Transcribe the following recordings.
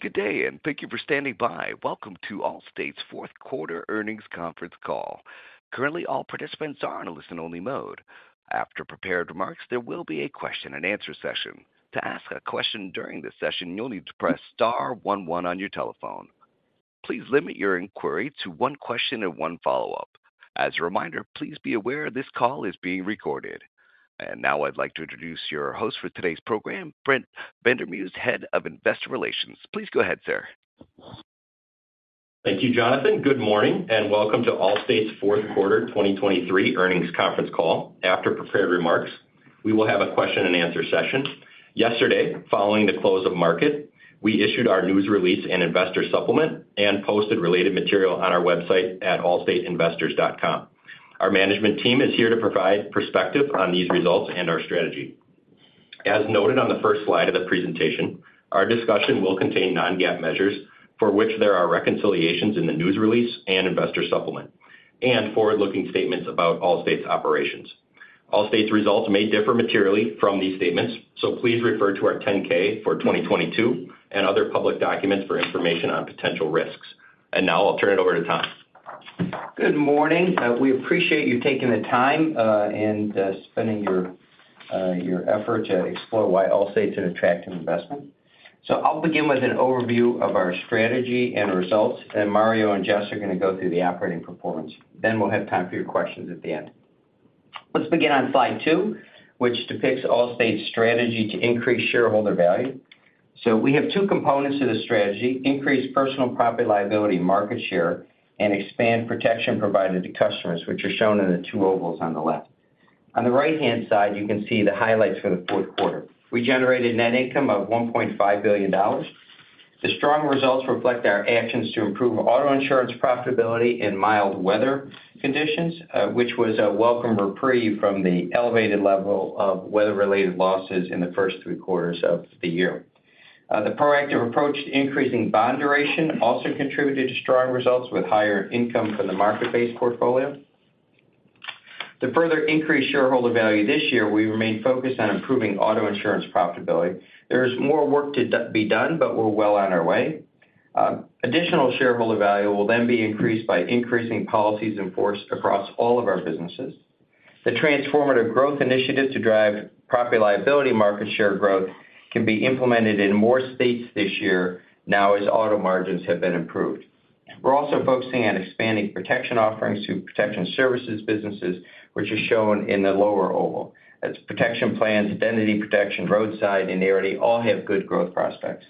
Good day, and thank you for standing by. Welcome to Allstate's Fourth Quarter Earnings Conference Call. Currently, all participants are in a listen-only mode. After prepared remarks, there will be a question-and-answer session. To ask a question during this session, you'll need to press star one one on your telephone. Please limit your inquiry to one question and one follow-up. As a reminder, please be aware this call is being recorded. Now I'd like to introduce your host for today's program, Brent Vandermause, Head of Investor Relations. Please go ahead, sir. Thank you, Jonathan. Good morning, and welcome to Allstate's Fourth Quarter 2023 Earnings Conference Call. After prepared remarks, we will have a question-and-answer session. Yesterday, following the close of market, we issued our news release and investor supplement and posted related material on our website at allstateinvestors.com. Our management team is here to provide perspective on these results and our strategy. As noted on the first slide of the presentation, our discussion will contain non-GAAP measures, for which there are reconciliations in the news release and investor supplement, and forward-looking statements about Allstate's operations. Allstate's results may differ materially from these statements, so please refer to our 10-K for 2022 and other public documents for information on potential risks. Now I'll turn it over to Tom. Good morning. We appreciate you taking the time, and spending your, your effort to explore why Allstate's an attractive investment. I'll begin with an overview of our strategy and results, and Mario and Jess are gonna go through the operating performance. Then we'll have time for your questions at the end. Let's begin on slide two, which depicts Allstate's strategy to increase shareholder value. We have two components to the strategy: increase personal property liability market share and expand protection provided to customers, which are shown in the two ovals on the left. On the right-hand side, you can see the highlights for the fourth quarter. We generated net income of $1.5 billion. The strong results reflect our actions to improve auto insurance profitability in mild weather conditions, which was a welcome reprieve from the elevated level of weather-related losses in the first three quarters of the year. The proactive approach to increasing bond duration also contributed to strong results with higher income from the market-based portfolio. To further increase shareholder value this year, we remain focused on improving auto insurance profitability. There is more work to be done, but we're well on our way. Additional shareholder value will then be increased by increasing policies in force across all of our businesses. The Transformative Growth initiative to drive Property-Liability market share growth can be implemented in more states this year now as auto margins have been improved. We're also focusing on expanding protection offerings to Protection Services businesses, which is shown in the lower oval. That's Protection Plans, Identity Protection, Roadside, and they already all have good growth prospects.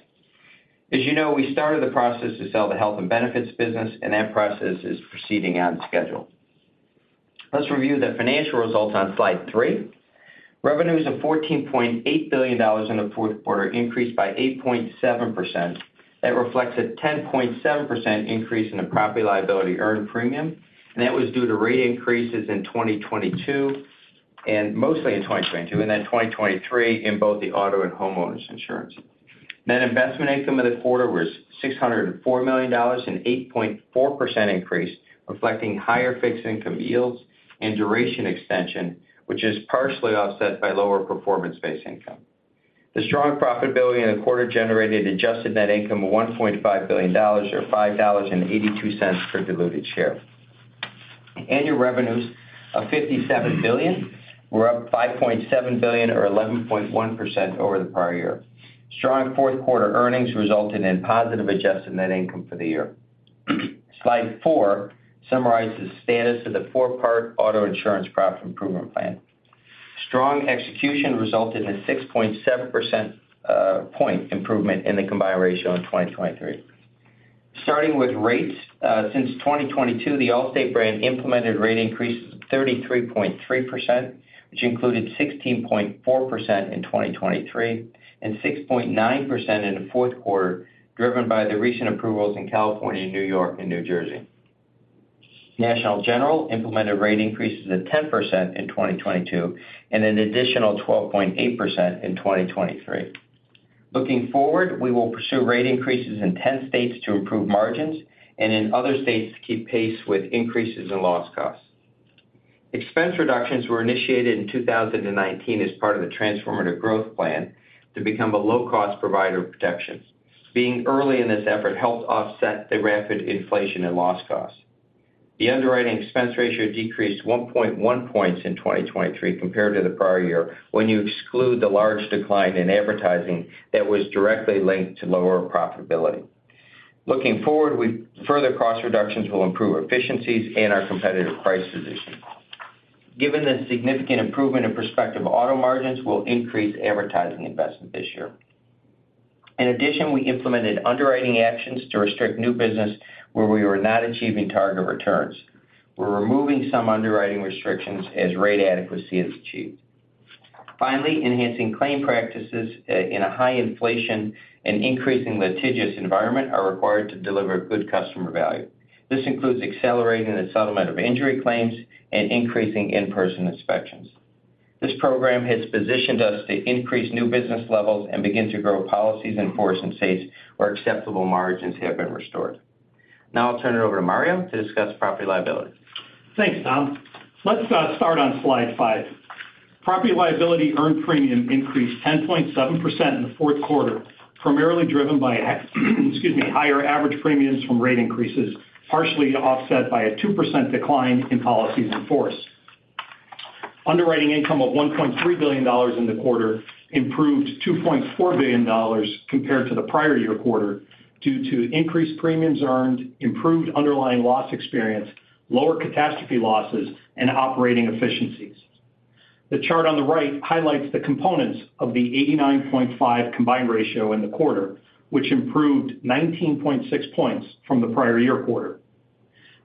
As you know, we started the process to sell the Health and Benefits business, and that process is proceeding on schedule. Let's review the financial results on slide three. Revenues of $14.8 billion in the fourth quarter increased by 8.7%. That reflects a 10.7% increase in the property liability earned premium, and that was due to rate increases in 2022, and mostly in 2022, and then 2023 in both the auto and homeowners insurance. Net investment income of the quarter was $604 million, an 8.4% increase, reflecting higher fixed income yields and duration extension, which is partially offset by lower performance-based income. The strong profitability in the quarter generated adjusted net income of $1.5 billion or $5.82 per diluted share. Annual revenues of $57 billion were up $5.7 billion or 11.1% over the prior year. Strong fourth quarter earnings resulted in positive adjusted net income for the year. Slide four summarizes the status of the four-part auto insurance profit improvement plan. Strong execution resulted in a 6.7% point improvement in the combined ratio in 2023. Starting with rates, since 2022, the Allstate brand implemented rate increases of 33.3%, which included 16.4% in 2023, and 6.9% in the fourth quarter, driven by the recent approvals in California, New York, and New Jersey. National General implemented rate increases of 10% in 2022, and an additional 12.8% in 2023. Looking forward, we will pursue rate increases in 10 states to improve margins and in other states to keep pace with increases in loss costs. Expense reductions were initiated in 2019 as part of the Transformative Growth plan to become a low-cost provider of protections. Being early in this effort helped offset the rapid inflation and loss costs. The underwriting expense ratio decreased 1.1 points in 2023 compared to the prior year when you exclude the large decline in advertising that was directly linked to lower profitability. Looking forward, further cost reductions will improve efficiencies and our competitive price position. Given the significant improvement in prospective auto margins, we'll increase advertising investment this year. In addition, we implemented underwriting actions to restrict new business where we were not achieving target returns. We're removing some underwriting restrictions as rate adequacy is achieved. Finally, enhancing claim practices in a high-inflation and increasing litigious environment are required to deliver good customer value. This includes accelerating the settlement of injury claims and increasing in-person inspections. This program has positioned us to increase new business levels and begin to grow policies in force in states where acceptable margins have been restored. Now I'll turn it over to Mario to discuss Property-Liability. Thanks, Tom. Let's start on slide five. Property-Liability earned premium increased 10.7% in the fourth quarter, primarily driven by higher average premiums from rate increases, partially offset by a 2% decline in policies in force. Underwriting income of $1.3 billion in the quarter improved $2.4 billion compared to the prior year quarter, due to increased premiums earned, improved underlying loss experience, lower catastrophe losses, and operating efficiencies. The chart on the right highlights the components of the 89.5 combined ratio in the quarter, which improved 19.6 points from the prior year quarter.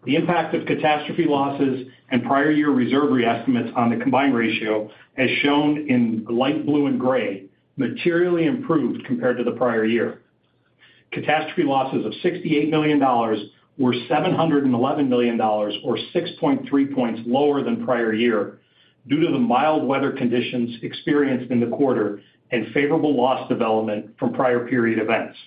The impact of catastrophe losses and prior year reserve reestimates on the combined ratio, as shown in light blue and gray, materially improved compared to the prior year. Catastrophe losses of $68 million were $711 million, or 6.3 points lower than prior year, due to the mild weather conditions experienced in the quarter and favorable loss development from prior period events.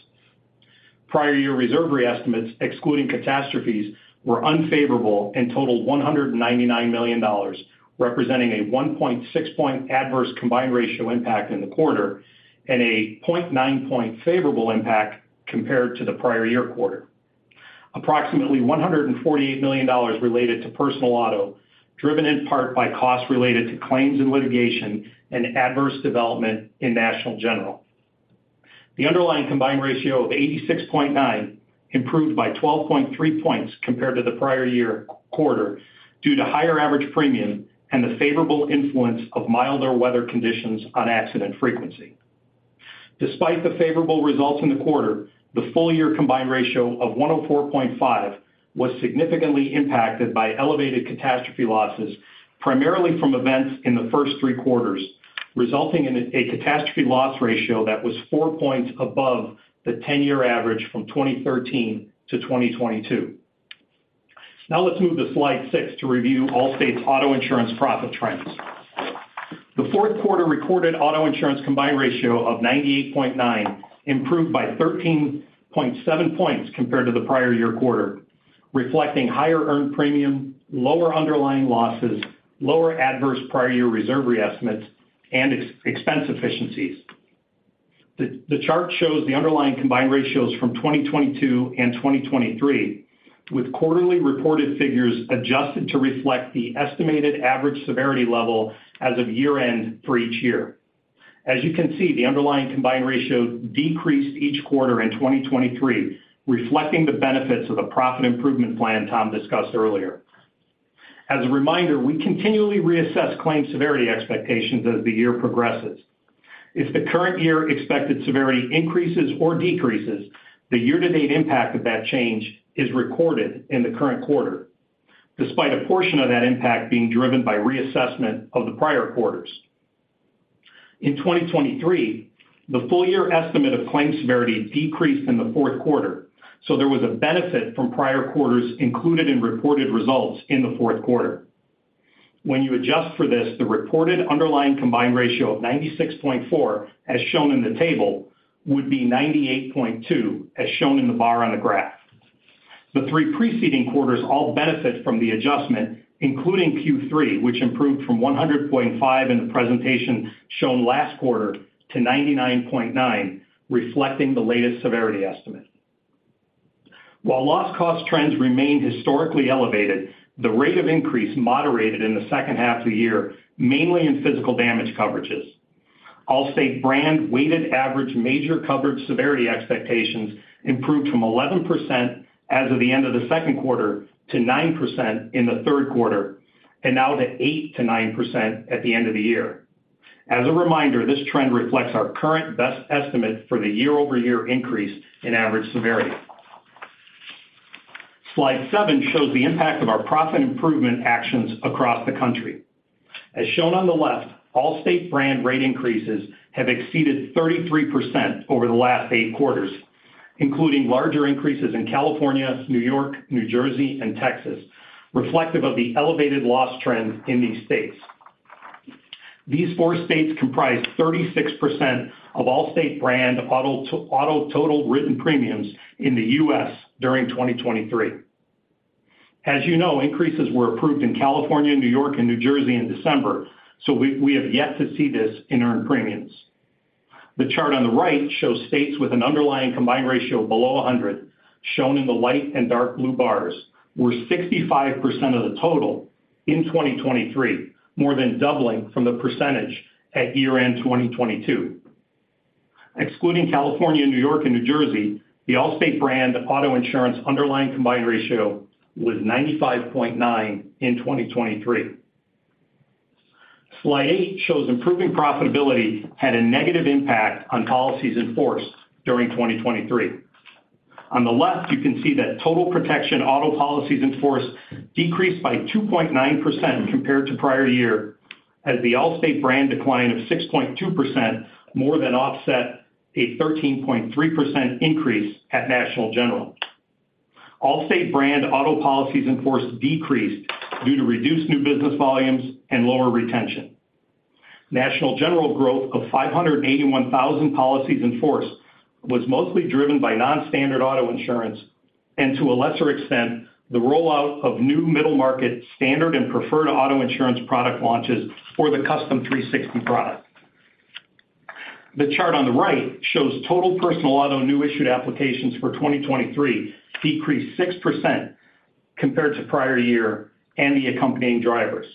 Prior year reserve reestimates, excluding catastrophes, were unfavorable and totaled $199 million, representing a 1.6-point adverse combined ratio impact in the quarter and a 0.9-point favorable impact compared to the prior year quarter. Approximately $148 million related to personal auto, driven in part by costs related to claims and litigation and adverse development in National General. The underlying combined ratio of 86.9 improved by 12.3 points compared to the prior year quarter due to higher average premium and the favorable influence of milder weather conditions on accident frequency. Despite the favorable results in the quarter, the full year combined ratio of 104.5 was significantly impacted by elevated catastrophe losses, primarily from events in the first three quarters, resulting in a catastrophe loss ratio that was 4 points above the 10-year average from 2013 to 2022. Now let's move to slide six to review Allstate's auto insurance profit trends. The fourth quarter recorded auto insurance combined ratio of 98.9 improved by 13.7 points compared to the prior year quarter, reflecting higher earned premium, lower underlying losses, lower adverse prior year reserve reestimates, and expense efficiencies. The chart shows the underlying combined ratios from 2022 and 2023, with quarterly reported figures adjusted to reflect the estimated average severity level as of year-end for each year. As you can see, the underlying combined ratio decreased each quarter in 2023, reflecting the benefits of the profit improvement plan Tom discussed earlier. As a reminder, we continually reassess claim severity expectations as the year progresses. If the current year expected severity increases or decreases, the year-to-date impact of that change is recorded in the current quarter, despite a portion of that impact being driven by reassessment of the prior quarters. In 2023, the full year estimate of claims severity decreased in the fourth quarter, so there was a benefit from prior quarters included in reported results in the fourth quarter. When you adjust for this, the reported underlying combined ratio of 96.4, as shown in the table, would be 98.2, as shown in the bar on the graph. The three preceding quarters all benefit from the adjustment, including Q3, which improved from 100.5 in the presentation shown last quarter to 99.9, reflecting the latest severity estimate. While loss cost trends remained historically elevated, the rate of increase moderated in the second half of the year, mainly in physical damage coverages. Allstate brand weighted average major coverage severity expectations improved from 11% as of the end of the second quarter to 9% in the third quarter, and now to 8%-9% at the end of the year. As a reminder, this trend reflects our current best estimate for the year-over-year increase in average severity. Slide seven shows the impact of our profit improvement actions across the country. As shown on the left, Allstate brand rate increases have exceeded 33% over the last eight quarters, including larger increases in California, New York, New Jersey, and Texas, reflective of the elevated loss trends in these states. These 4 states comprise 36% of Allstate brand auto-to-auto total written premiums in the U.S. during 2023. As you know, increases were approved in California, New York, and New Jersey in December, so we have yet to see this in earned premiums. The chart on the right shows states with an underlying combined ratio below 100, shown in the light and dark blue bars, were 65% of the total in 2023, more than doubling from the percentage at year-end 2022. Excluding California, New York, and New Jersey, the Allstate brand auto insurance underlying combined ratio was 95.9 in 2023. Slide eight shows improving profitability had a negative impact on policies in force during 2023. On the left, you can see that total protection auto policies in force decreased by 2.9% compared to prior year, as the Allstate brand decline of 6.2% more than offset a 13.3% increase at National General. Allstate brand auto policies in force decreased due to reduced new business volumes and lower retention. National General growth of 581,000 policies in force was mostly driven by non-standard auto insurance, and to a lesser extent, the rollout of new middle market standard and preferred auto insurance product launches for the Custom 360 product. The chart on the right shows total personal auto new issued applications for 2023 decreased 6% compared to prior year and the accompanying drivers.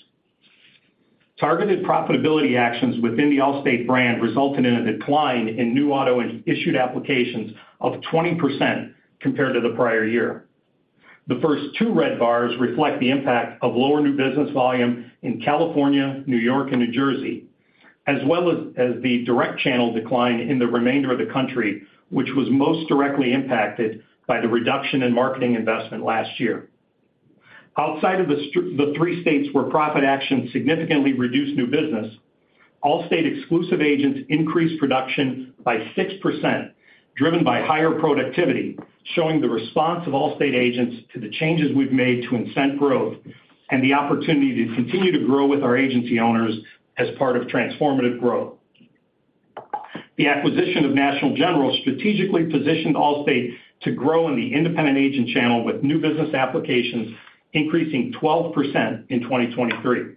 Targeted profitability actions within the Allstate brand resulted in a decline in new auto issued applications of 20% compared to the prior year. The first two red bars reflect the impact of lower new business volume in California, New York, and New Jersey, as well as the direct channel decline in the remainder of the country, which was most directly impacted by the reduction in marketing investment last year. Outside of the three states where profit actions significantly reduced new business, Allstate exclusive agents increased production by 6%, driven by higher productivity, showing the response of Allstate agents to the changes we've made to incent growth and the opportunity to continue to grow with our agency owners as part of Transformative Growth. The acquisition of National General strategically positioned Allstate to grow in the independent agent channel, with new business applications increasing 12% in 2023.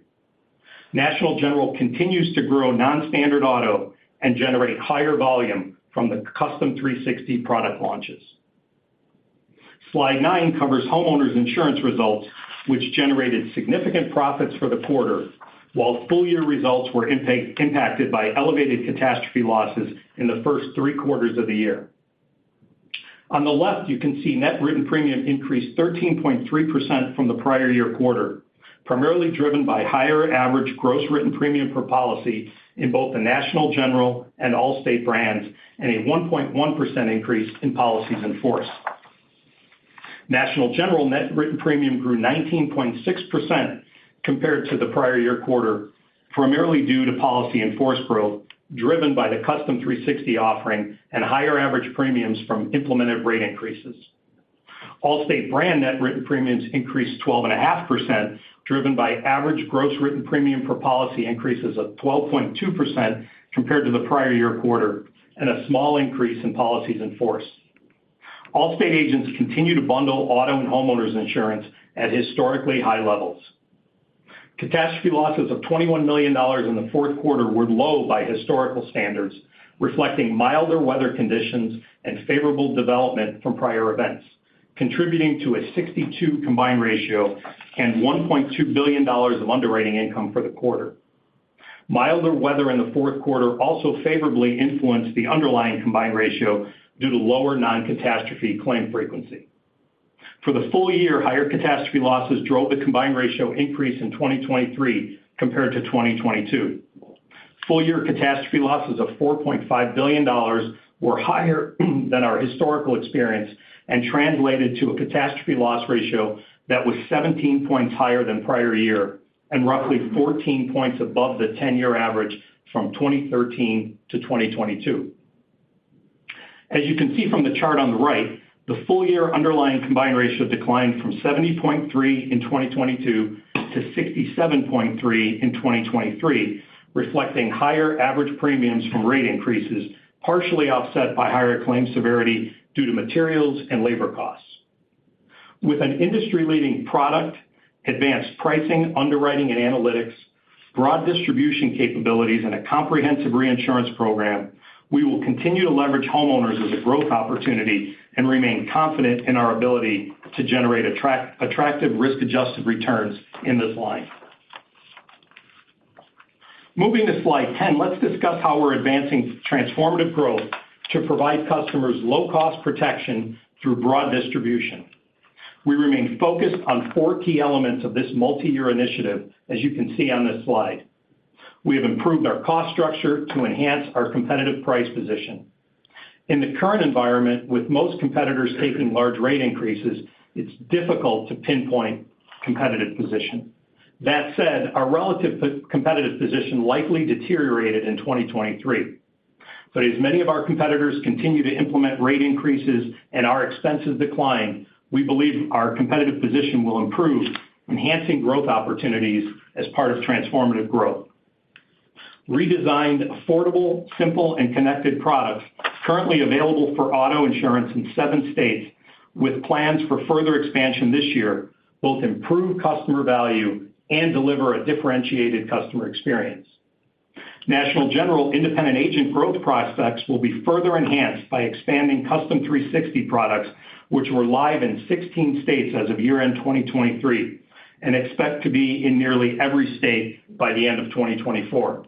National General continues to grow non-standard auto and generate higher volume from the Custom 360 product launches. Slide nine covers homeowners insurance results, which generated significant profits for the quarter, while full year results were impacted by elevated catastrophe losses in the first three quarters of the year. On the left, you can see net written premium increased 13.3% from the prior year quarter, primarily driven by higher average gross written premium per policy in both the National General and Allstate brands, and a 1.1% increase in policies in force. National General net written premium grew 19.6% compared to the prior year quarter, primarily due to policy in force growth, driven by the Custom 360 offering and higher average premiums from implemented rate increases. Allstate brand net written premiums increased 12.5%, driven by average gross written premium per policy increases of 12.2% compared to the prior year quarter, and a small increase in policies in force. Allstate agents continue to bundle auto and homeowners insurance at historically high levels. Catastrophe losses of $21 million in the fourth quarter were low by historical standards, reflecting milder weather conditions and favorable development from prior events, contributing to a 62 combined ratio and $1.2 billion of underwriting income for the quarter. Milder weather in the fourth quarter also favorably influenced the underlying combined ratio due to lower non-catastrophe claim frequency. For the full year, higher catastrophe losses drove the combined ratio increase in 2023 compared to 2022. Full year catastrophe losses of $4.5 billion were higher than our historical experience and translated to a catastrophe loss ratio that was 17 points higher than prior year and roughly 14 points above the 10-year average from 2013 to 2022. As you can see from the chart on the right, the full year underlying combined ratio declined from 70.3 in 2022 to 67.3 in 2023, reflecting higher average premiums from rate increases, partially offset by higher claim severity due to materials and labor costs. With an industry-leading product, advanced pricing, underwriting and analytics, broad distribution capabilities, and a comprehensive reinsurance program, we will continue to leverage homeowners as a growth opportunity and remain confident in our ability to generate attractive risk-adjusted returns in this line. Moving to slide 10, let's discuss how we're advancing Transformative Growth to provide customers low-cost protection through broad distribution. We remain focused on four key elements of this multi-year initiative, as you can see on this slide. We have improved our cost structure to enhance our competitive price position. In the current environment, with most competitors taking large rate increases, it's difficult to pinpoint competitive position. That said, our relative competitive position likely deteriorated in 2023. But as many of our competitors continue to implement rate increases and our expenses decline, we believe our competitive position will improve, enhancing growth opportunities as part of Transformative Growth. Redesigned, affordable, simple, and connected products, currently available for auto insurance in 7 states, with plans for further expansion this year, both improve customer value and deliver a differentiated customer experience. National General independent agent growth prospects will be further enhanced by expanding Custom 360 products, which were live in 16 states as of year-end 2023, and expect to be in nearly every state by the end of 2024.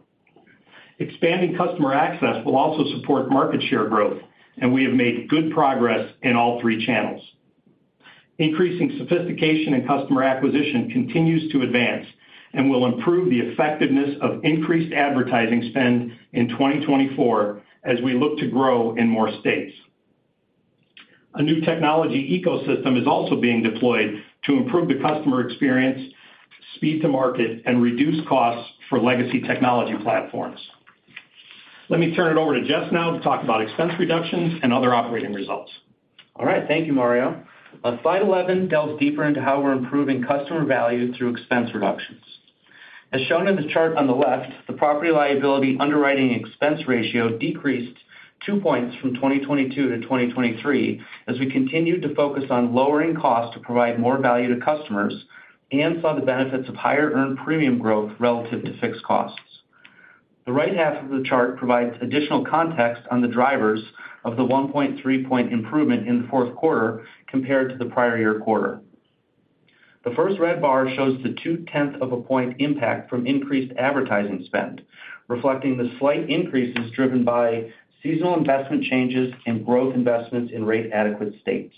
Expanding customer access will also support market share growth, and we have made good progress in all three channels. Increasing sophistication and customer acquisition continues to advance and will improve the effectiveness of increased advertising spend in 2024 as we look to grow in more states. A new technology ecosystem is also being deployed to improve the customer experience, speed to market, and reduce costs for legacy technology platforms. Let me turn it over to Jess now to talk about expense reductions and other operating results. All right. Thank you, Mario. On slide 11, delves deeper into how we're improving customer value through expense reductions. As shown in the chart on the left, the Property-Liability underwriting expense ratio decreased two points from 2022 to 2023, as we continued to focus on lowering costs to provide more value to customers and saw the benefits of higher earned premium growth relative to fixed costs. The right half of the chart provides additional context on the drivers of the 1.3-point improvement in the fourth quarter compared to the prior year quarter. The first red bar shows the 0.2-point impact from increased advertising spend, reflecting the slight increases driven by seasonal investment changes and growth investments in rate-adequate states.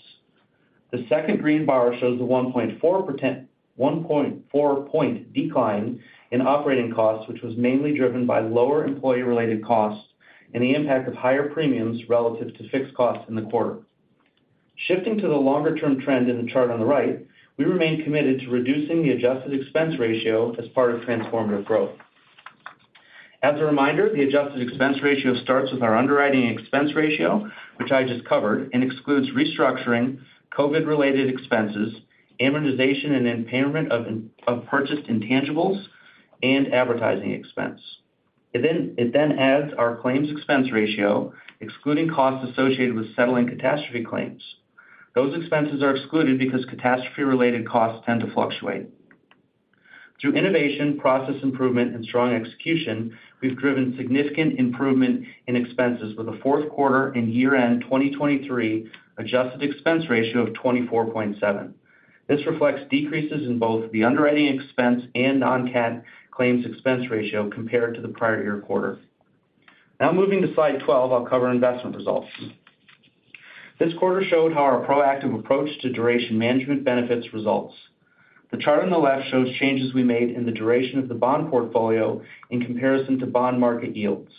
The second green bar shows a 1.4%—1.4-point decline in operating costs, which was mainly driven by lower employee-related costs and the impact of higher premiums relative to fixed costs in the quarter. Shifting to the longer-term trend in the chart on the right, we remain committed to reducing the adjusted expense ratio as part of Transformative Growth. As a reminder, the adjusted expense ratio starts with our underwriting expense ratio, which I just covered, and excludes restructuring, COVID-related expenses, amortization and impairment of purchased intangibles, and advertising expense. It then adds our claims expense ratio, excluding costs associated with settling catastrophe claims. Those expenses are excluded because catastrophe-related costs tend to fluctuate. Through innovation, process improvement, and strong execution, we've driven significant improvement in expenses with a fourth quarter and year-end 2023 adjusted expense ratio of 24.7. This reflects decreases in both the underwriting expense and non-cat claims expense ratio compared to the prior year quarter. Now moving to slide 12, I'll cover investment results. This quarter showed how our proactive approach to duration management benefits results. The chart on the left shows changes we made in the duration of the bond portfolio in comparison to bond market yields.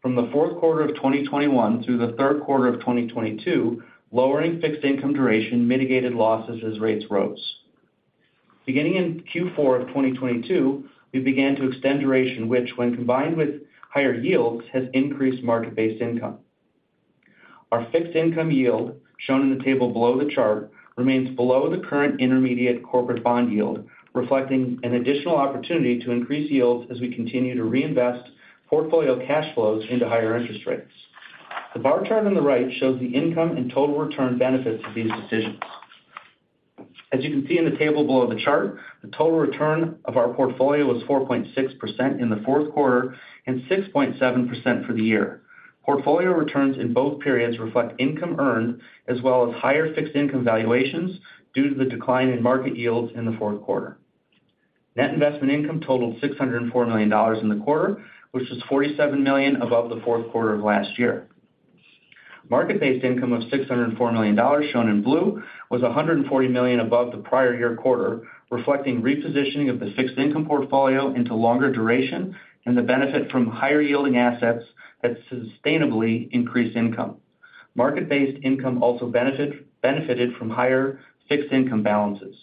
From the fourth quarter of 2021 through the third quarter of 2022, lowering fixed income duration mitigated losses as rates rose. Beginning in Q4 of 2022, we began to extend duration, which, when combined with higher yields, has increased market-based income. Our fixed income yield, shown in the table below the chart, remains below the current intermediate corporate bond yield, reflecting an additional opportunity to increase yields as we continue to reinvest portfolio cash flows into higher interest rates. The bar chart on the right shows the income and total return benefits of these decisions. As you can see in the table below the chart, the total return of our portfolio was 4.6% in the fourth quarter and 6.7% for the year. Portfolio returns in both periods reflect income earned, as well as higher fixed income valuations due to the decline in market yields in the fourth quarter. Net investment income totaled $604 million in the quarter, which is $47 million above the fourth quarter of last year. Market-based income of $604 million, shown in blue, was $140 million above the prior year quarter, reflecting repositioning of the fixed income portfolio into longer duration and the benefit from higher-yielding assets that sustainably increased income. Market-based income also benefited from higher fixed income balances.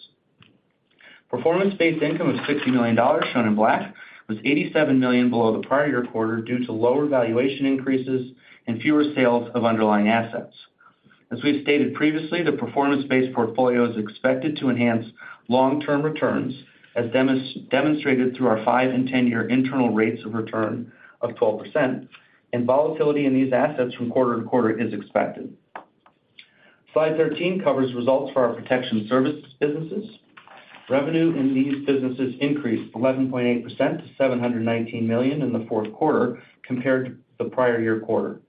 Performance-based income of $60 million, shown in black, was $87 million below the prior year quarter due to lower valuation increases and fewer sales of underlying assets. As we've stated previously, the performance-based portfolio is expected to enhance long-term returns, as demonstrated through our 5 and 10-year internal rates of return of 12%, and volatility in these assets from quarter to quarter is expected. Slide 13 covers results for our Protection Services businesses. Revenue in these businesses increased 11.8% to $719 million in the fourth quarter compared to the prior year quarter.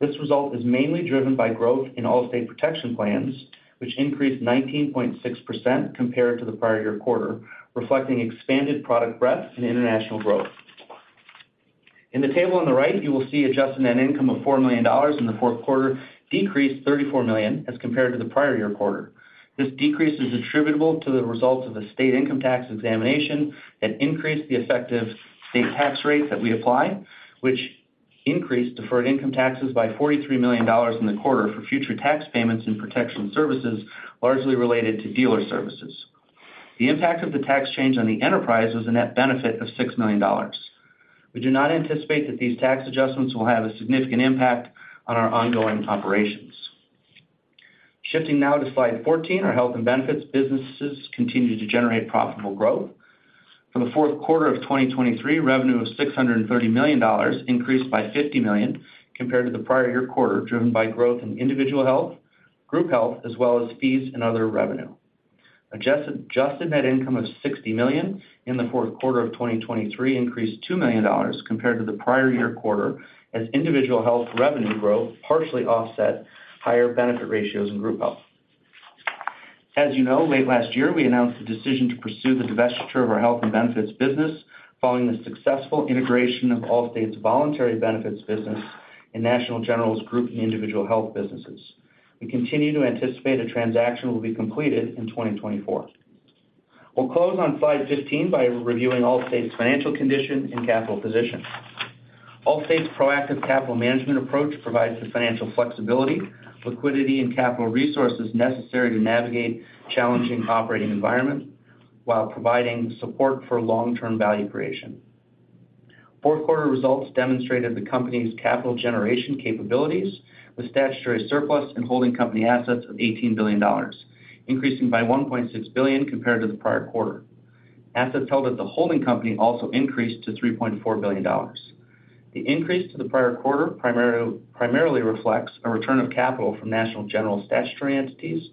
This result is mainly driven by growth in Allstate Protection Plans, which increased 19.6% compared to the prior year quarter, reflecting expanded product breadth and international growth. In the table on the right, you will see adjusted net income of $4 million in the fourth quarter, decreased $34 million as compared to the prior year quarter. This decrease is attributable to the results of a state income tax examination that increased the effective state tax rate that we apply, which increased deferred income taxes by $43 million in the quarter for future tax payments and Protection Services, largely related to dealer services. The impact of the tax change on the enterprise was a net benefit of $6 million. We do not anticipate that these tax adjustments will have a significant impact on our ongoing operations. Shifting now to slide 14, our Health and Benefits businesses continue to generate profitable growth. For the fourth quarter of 2023, revenue of $630 million increased by $50 million compared to the prior year quarter, driven by growth in Individual Health, Group Health, as well as fees and other revenue. Adjusted net income of $60 million in the fourth quarter of 2023 increased $2 million compared to the prior year quarter, as Individual Health revenue growth partially offset higher benefit ratios in Group Health. As you know, late last year, we announced the decision to pursue the divestiture of our health and benefits business following the successful integration of Allstate's voluntary benefits business and National General's Group and Individual Health businesses. We continue to anticipate the transaction will be completed in 2024. We'll close on slide 15 by reviewing Allstate's financial condition and capital position. Allstate's proactive capital management approach provides the financial flexibility, liquidity, and capital resources necessary to navigate challenging operating environments while providing support for long-term value creation. Fourth quarter results demonstrated the company's capital generation capabilities, with statutory surplus and holding company assets of $18 billion, increasing by $1.6 billion compared to the prior quarter. Assets held at the holding company also increased to $3.4 billion. The increase to the prior quarter primarily reflects a return of capital from National General statutory entities,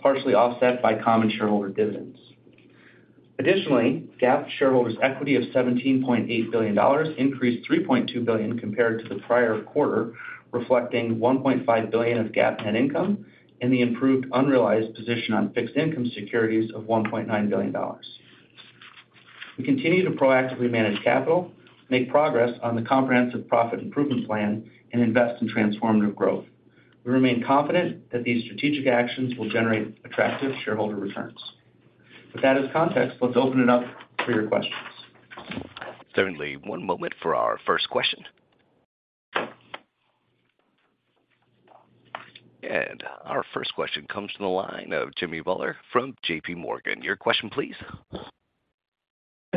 partially offset by common shareholder dividends. Additionally, GAAP shareholders' equity of $17.8 billion increased $3.2 billion compared to the prior quarter, reflecting $1.5 billion of GAAP net income and the improved unrealized position on fixed income securities of $1.9 billion. We continue to proactively manage capital, make progress on the comprehensive profit improvement plan, and invest in Transformative Growth. We remain confident that these strategic actions will generate attractive shareholder returns. With that as context, let's open it up for your questions. Certainly. One moment for our first question. Our first question comes from the line of Jimmy Bhullar from JPMorgan. Your question, please.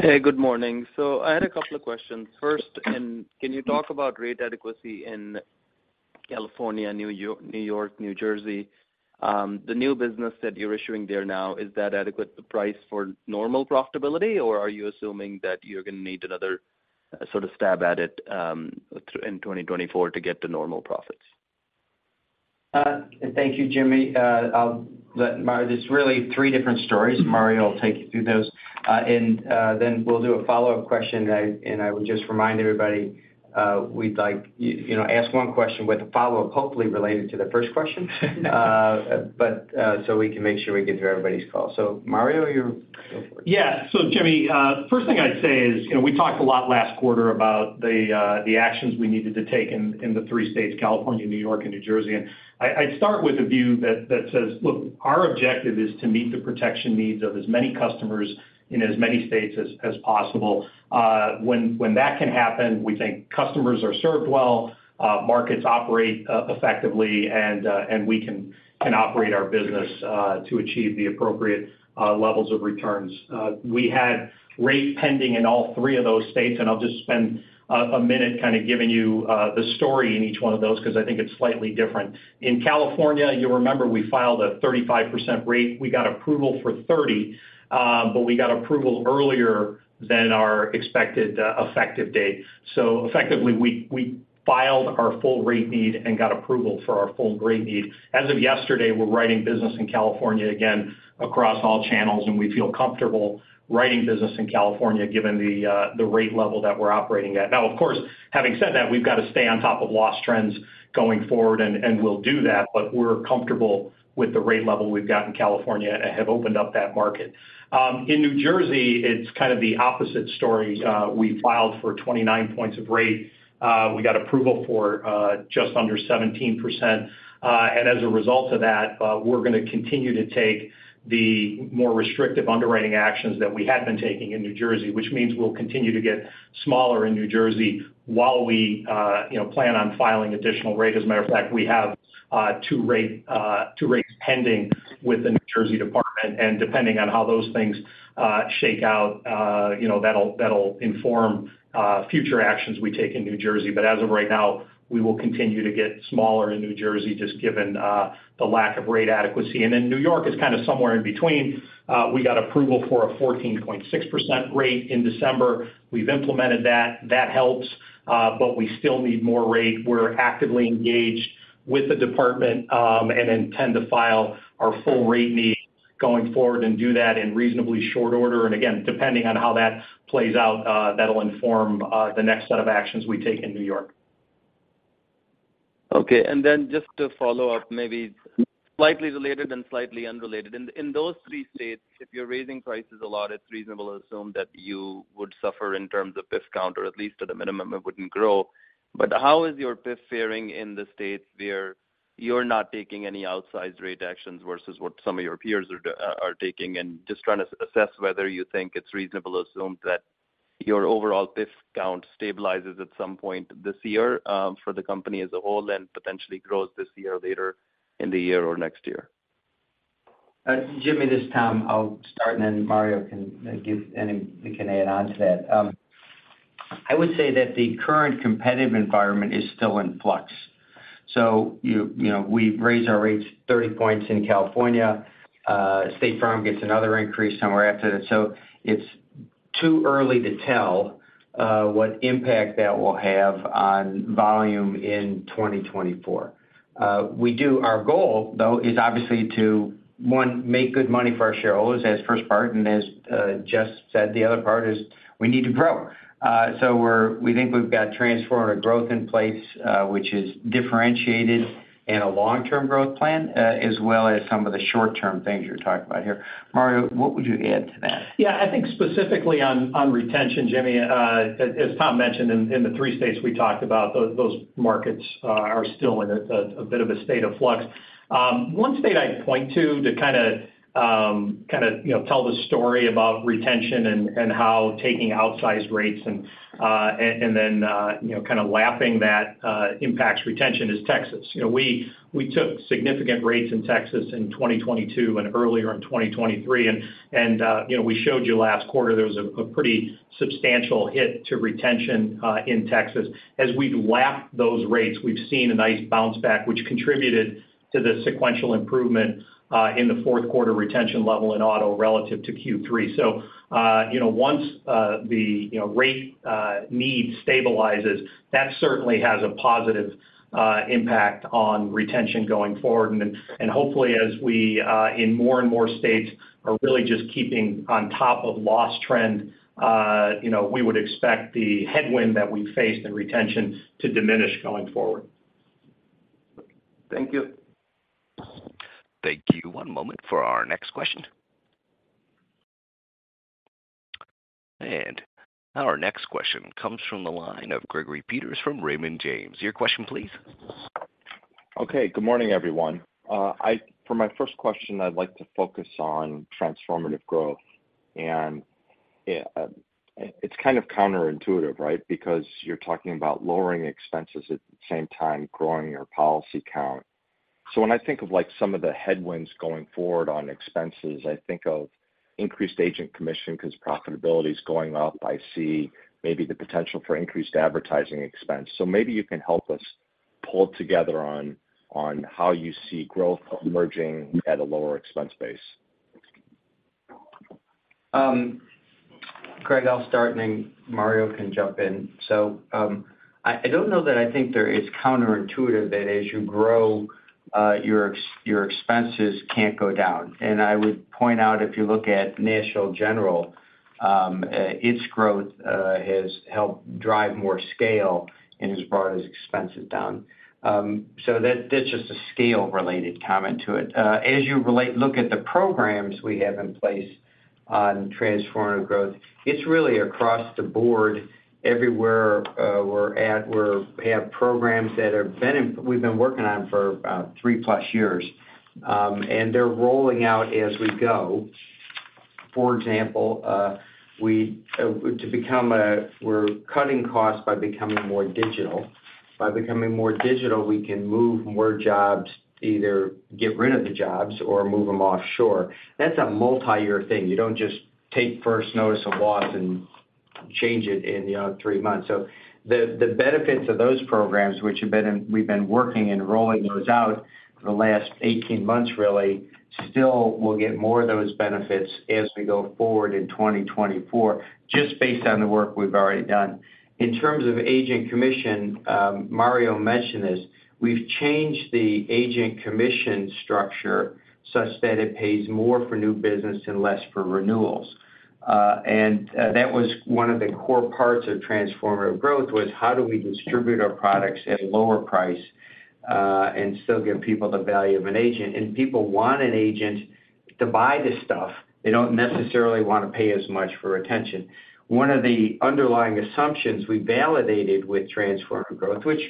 Hey, good morning. So I had a couple of questions. First, can you talk about rate adequacy in California, New York, New Jersey? The new business that you're issuing there now, is that adequate the price for normal profitability, or are you assuming that you're going to need another sort of stab at it, in 2024 to get the normal profits? Thank you, Jimmy. IThere's really three different stories. Mario will take you through those, and then we'll do a follow-up question. I would just remind everybody, we'd like you, you know, ask one question with a follow-up, hopefully related to the first question, but so we can make sure we get through everybody's call. So Mario, you go for it. Yeah. So Jimmy, first thing I'd say is we talked a lot last quarter about the actions we needed to take in the three states, California, New York, and New Jersey. I'd start with a view that says our objective is to meet the protection needs of as many customers in as many states as possible. When that can happen, we think customers are served well, markets operate effectively, and we can operate our business to achieve the appropriate levels of returns. We had rate pending in all three of those states, and I'll just spend a minute kind of giving you the story in each one of those, because I think it's slightly different. In California, you'll remember we filed a 35% rate. We got approval for 30, but we got approval earlier than our expected effective date. So effectively, we filed our full rate need and got approval for our full rate need. As of yesterday, we're writing business in California again across all channels, and we feel comfortable writing business in California, given the rate level that we're operating at. Now, of course, having said that, we've got to stay on top of loss trends going forward, and we'll do that, but we're comfortable with the rate level we've got in California and have opened up that market. In New Jersey, it's kind of the opposite story. We filed for 29 points of rate. We got approval for just under 17%. And as a result of that, we're going to continue to take the more restrictive underwriting actions that we had been taking in New Jersey, which means we'll continue to get smaller in New Jersey while we, you know, plan on filing additional rate. As a matter of fact, we have two rates pending with the New Jersey Department, and depending on how those things shake out, you know, that'll inform future actions we take in New Jersey. But as of right now, we will continue to get smaller in New Jersey, just given the lack of rate adequacy. And then New York is kind of somewhere in between. We got approval for a 14.6% rate in December. We've implemented that. That helps, but we still need more rate. We're actively engaged with the department, and intend to file our full rate needs going forward and do that in reasonably short order. And again, depending on how that plays out, that'll inform the next set of actions we take in New York. Okay. And then just to follow up, maybe slightly related and slightly unrelated. In those three states, if you're raising prices a lot, it's reasonable to assume that you would suffer in terms of discount, or at least at a minimum, it wouldn't grow. But how is your PIF faring in the states where you're not taking any outsized rate actions versus what some of your peers are taking? And just trying to assess whether you think it's reasonable to assume that your overall discount stabilizes at some point this year, for the company as a whole, and potentially grows this year, later in the year or next year. Jimmy, this is Tom. I'll start, and then Mario can give any-- he can add on to that. I would say that the current competitive environment is still in flux. So you, you know, we've raised our rates 30 points in California. State Farm gets another increase somewhere after that. So it's too early to tell what impact that will have on volume in 2024. Our goal, though, is obviously to, one, make good money for our shareholders as first part, and as Jess said, the other part is we need to grow. So we think we've got transformative growth in place, which is differentiated in a long-term growth plan, as well as some of the short-term things you're talking about here. Mario, what would you add to that? Specifically on retention, Jimmy, as Tom mentioned in the three states we talked about, those markets are still in a bit of a state of flux. One state I'd point to kind of you know tell the story about retention and how taking outsized rates and then you know kind of lapping that impacts retention is Texas. You know, we took significant rates in Texas in 2022 and earlier in 2023, and you know, we showed you last quarter, there was a pretty substantial hit to retention in Texas. As we've lapped those rates, we've seen a nice bounce back, which contributed to the sequential improvement in the fourth quarter retention level in auto relative to Q3. So, you know, once the you know rate need stabilizes, that certainly has a positive impact on retention going forward. And hopefully, as we in more and more states are really just keeping on top of loss trend, you know, we would expect the headwind that we faced in retention to diminish going forward. Thank you. Thank you. One moment for our next question. Our next question comes from the line of Gregory Peters from Raymond James. Your question, please? Okay. Good morning, everyone. For my first question, I'd like to focus on Transformative Growth. And it's kind of counterintuitive, right? Because you're talking about lowering expenses, at the same time, growing your policy count. So when I think of, like, some of the headwinds going forward on expenses, I think of increased agent commission, because profitability is going up. I see maybe the potential for increased advertising expense. So maybe you can help us pull together on how you see growth emerging at a lower expense base. Greg, I'll start, and then Mario can jump in. So, I don't know that I think there is counterintuitive that as you grow, your expenses can't go down. And I would point out, if you look at National General, its growth has helped drive more scale, and as far as expenses down. So that's just a scale-related comment to it. Look at the programs we have in place on Transformative Growth, it's really across the board. Everywhere, we have programs we've been working on for about 3+ years, and they're rolling out as we go. For example, we're cutting costs by becoming more digital. By becoming more digital, we can move more jobs, either get rid of the jobs or move them offshore. That's a multiyear thing. You don't just take first notice of loss and change it in, you know, 3 months. So the benefits of those programs, which have been in, we've been working and rolling those out for the last 18 months, really, still we'll get more of those benefits as we go forward in 2024, just based on the work we've already done. In terms of agent commission, Mario mentioned this, we've changed the agent commission structure such that it pays more for new business and less for renewals. And that was one of the core parts of Transformative Growth, was how do we distribute our products at a lower price, and still give people the value of an agent? People want an agent to buy this stuff. They don't necessarily want to pay as much for attention. One of the underlying assumptions we validated with Transformative Growth, which,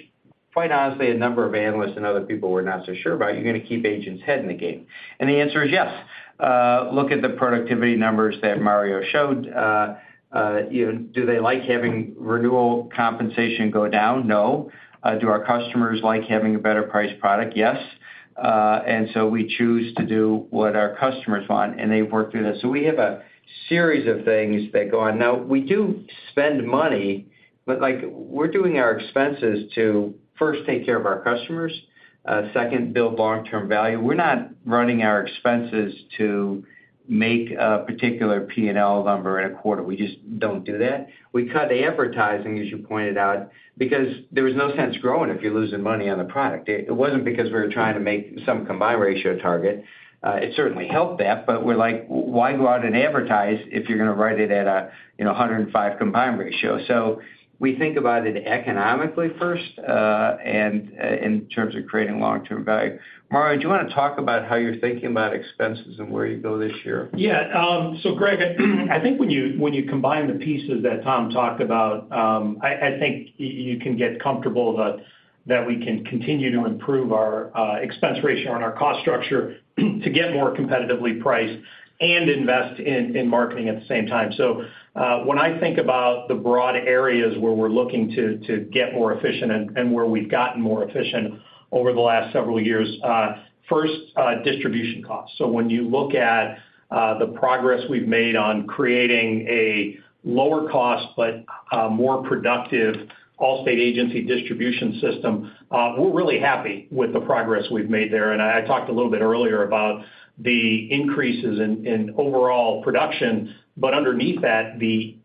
quite honestly, a number of analysts and other people were not so sure about, you're gonna keep agents' head in the game. And the answer is yes. Look at the productivity numbers that Mario showed. You know, do they like having renewal compensation go down? No. Do our customers like having a better-priced product? Yes. And so we choose to do what our customers want, and they've worked through this. So we have a series of things that go on. Now, we do spend money, but, like, we're doing our expenses to, first, take care of our customers, second, build long-term value. We're not running our expenses to make a particular P&L number in a quarter. We just don't do that. We cut the advertising, as you pointed out, because there was no sense growing if you're losing money on a product. It, it wasn't because we were trying to make some combined ratio target. It certainly helped that, but we're like, "Why go out and advertise if you're gonna write it at a, you know, a 105 combined ratio?" So we think about it economically first, and in terms of creating long-term value. Mario, do you want to talk about how you're thinking about expenses and where you go this year? Yeah, so Greg, I think when you, when you combine the pieces that Tom talked about, I, I think you, you can get comfortable that, that we can continue to improve our expense ratio and our cost structure to get more competitively priced and invest in, in marketing at the same time. So, when I think about the broad areas where we're looking to, to get more efficient and, and where we've gotten more efficient over the last several years, first, distribution costs. So when you look at, the progress we've made on creating a lower cost but, more productive Allstate agency distribution system, we're really happy with the progress we've made there. I talked a little bit earlier about the increases in overall production, but underneath that, the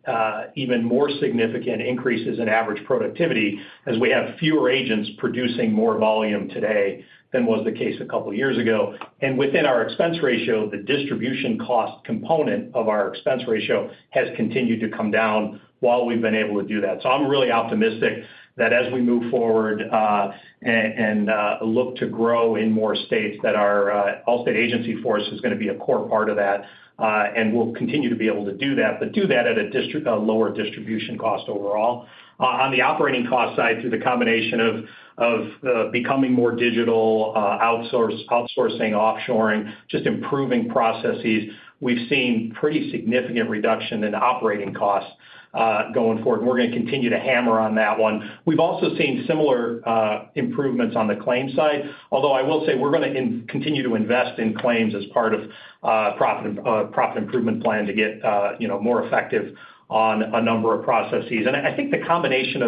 even more significant increases in average productivity as we have fewer agents producing more volume today than was the case a couple of years ago. Within our expense ratio, the distribution cost component of our expense ratio has continued to come down while we've been able to do that. I'm really optimistic that as we move forward, and look to grow in more states, that our Allstate agency force is gonna be a core part of that, and we'll continue to be able to do that, but do that at a lower distribution cost overall. On the operating cost side, through the combination of becoming more digital, outsourcing, offshoring, just improving processes, we've seen pretty significant reduction in operating costs, going forward, and we're gonna continue to hammer on that one. We've also seen similar improvements on the claims side, although I will say we're gonna continue to invest in claims as part of profit improvement plan to get, you know, more effective on a number of processes. I think the combination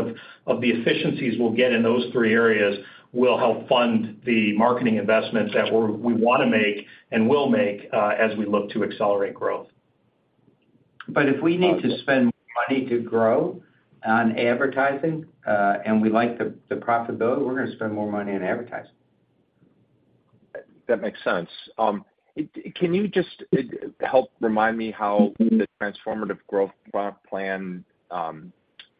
of the efficiencies we'll get in those three areas will help fund the marketing investments that we wanna make and will make, as we look to accelerate growth. But if we need to spend money to grow on advertising, and we like the, the profitability, we're gonna spend more money on advertising. That makes sense. Can you just help remind me how the Transformative Growth plan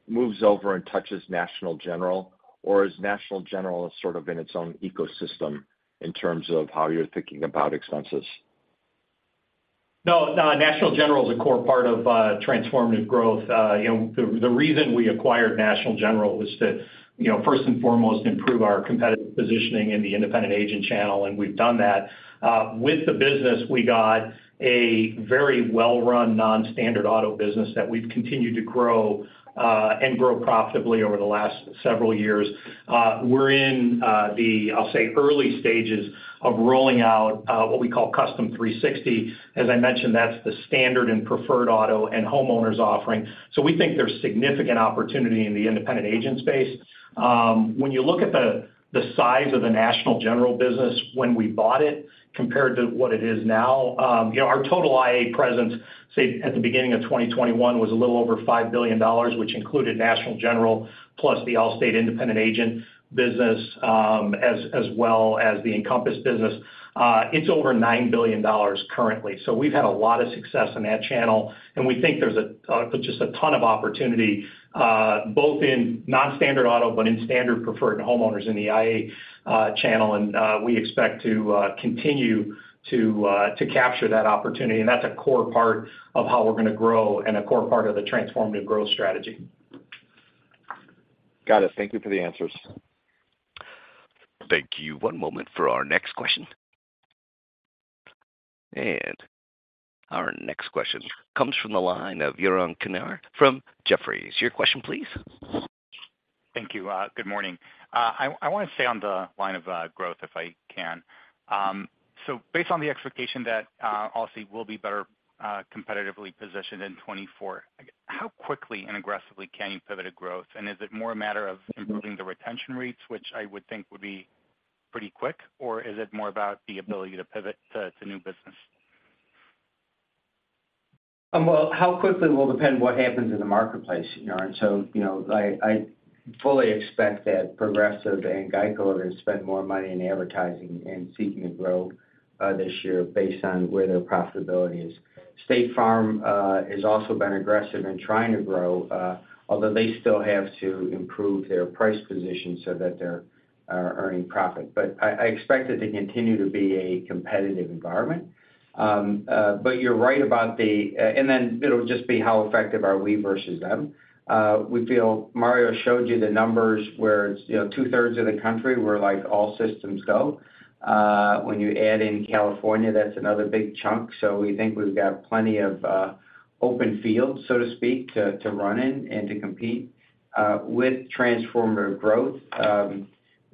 moves over and touches National General, or is National General sort of in its own ecosystem in terms of how you're thinking about expenses? No, National General is a core part of Transformative Growth. You know, the reason we acquired National General was to, you know, first and foremost, improve our competitive positioning in the independent agent channel, and we've done that. With the business, we got a very well-run, non-standard auto business that we've continued to grow, and grow profitably over the last several years. We're in the, I'll say, early stages of rolling out what we call Custom 360. As I mentioned, that's the standard and preferred auto and homeowners offering. So we think there's significant opportunity in the independent agent space. When you look at the size of the National General business when we bought it compared to what it is now, you know, our total IA presence, say, at the beginning of 2021, was a little over $5 billion, which included National General, plus the Allstate independent agent business, as well as the Encompass business. It's over $9 billion currently. So we've had a lot of success in that channel, and we think there's just a ton of opportunity, both in non-standard auto, but in standard, preferred, and homeowners in the IA channel. And we expect to continue to capture that opportunity, and that's a core part of how we're going to grow and a core part of the Transformative Growth strategy. Got it. Thank you for the answers. Thank you. One moment for our next question. Our next question comes from the line of Yaron Kinar from Jefferies. Your question, please. Thank you. Good morning. I want to stay on the line of growth, if I can. So based on the expectation that Allstate will be better competitively positioned in 2024, how quickly and aggressively can you pivot a growth? And is it more a matter of improving the retention rates, which I would think would be pretty quick, or is it more about the ability to pivot to new business? Well, how quickly will depend what happens in the marketplace, Yaron. So, you know, I, I fully expect that Progressive and GEICO are going to spend more money in advertising and seeking to grow, this year based on where their profitability is. State Farm has also been aggressive in trying to grow, although they still have to improve their price position so that they're, are earning profit. But I, I expect it to continue to be a competitive environment. But you're right about the, and then it'll just be how effective are we versus them. We feel Mario showed you the numbers where it's, you know, two-thirds of the country, where like all systems go. When you add in California, that's another big chunk. So we think we've got plenty of open field, so to speak, to run in and to compete with Transformative Growth.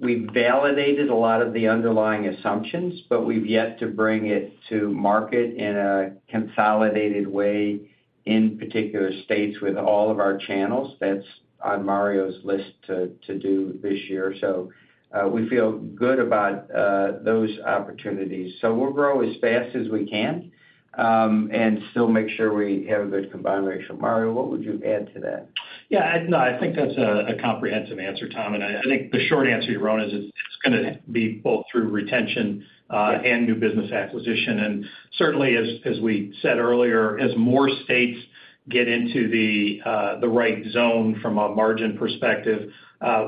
We've validated a lot of the underlying assumptions, but we've yet to bring it to market in a consolidated way, in particular states, with all of our channels. That's on Mario's list to do this year. So we feel good about those opportunities. So we'll grow as fast as we can and still make sure we have a good combined ratio. Mario, what would you add to that? Yeah, no, I think that's a comprehensive answer, Tom. And I think the short answer, Yaron, is it's going to be both through retention and new business acquisition. And certainly, as we said earlier, as more states get into the right zone from a margin perspective,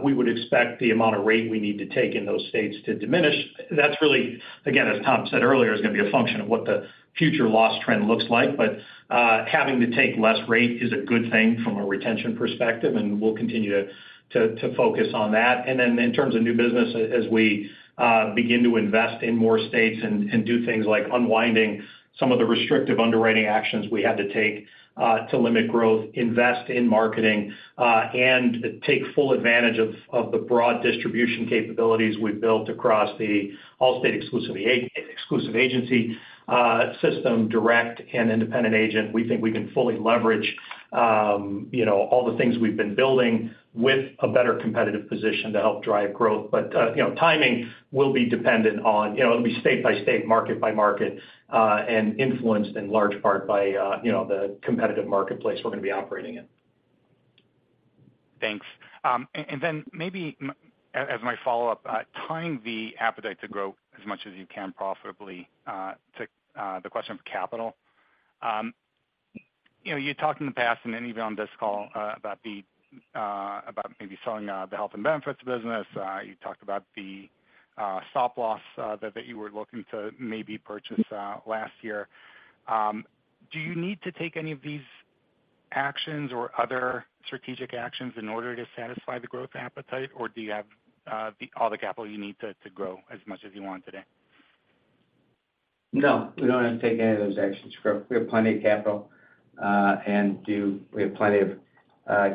we would expect the amount of rate we need to take in those states to diminish. That's really, again, as Tom said earlier, is going to be a function of what the future loss trend looks like. But having to take less rate is a good thing from a retention perspective, and we'll continue to focus on that. And then in terms of new business, as we begin to invest in more states and do things like unwinding some of the restrictive underwriting actions we had to take to limit growth, invest in marketing, and take full advantage of the broad distribution capabilities we've built across the Allstate exclusive agency system, direct and independent agent. We think we can fully leverage, you know, all the things we've been building with a better competitive position to help drive growth. But, you know, timing will be dependent on, you know, it'll be state by state, market by market, and influenced in large part by, you know, the competitive marketplace we're going to be operating in. Thanks. And then maybe as my follow-up, tying the appetite to grow as much as you can profitably to the question of capital. You know, you talked in the past and then even on this call about maybe selling the Health and Benefits business. You talked about the stop loss that you were looking to maybe purchase last year. Do you need to take any of these actions or other strategic actions in order to satisfy the growth appetite, or do you have all the capital you need to grow as much as you want today? No, we don't have to take any of those actions to grow. We have plenty of capital, and we have plenty of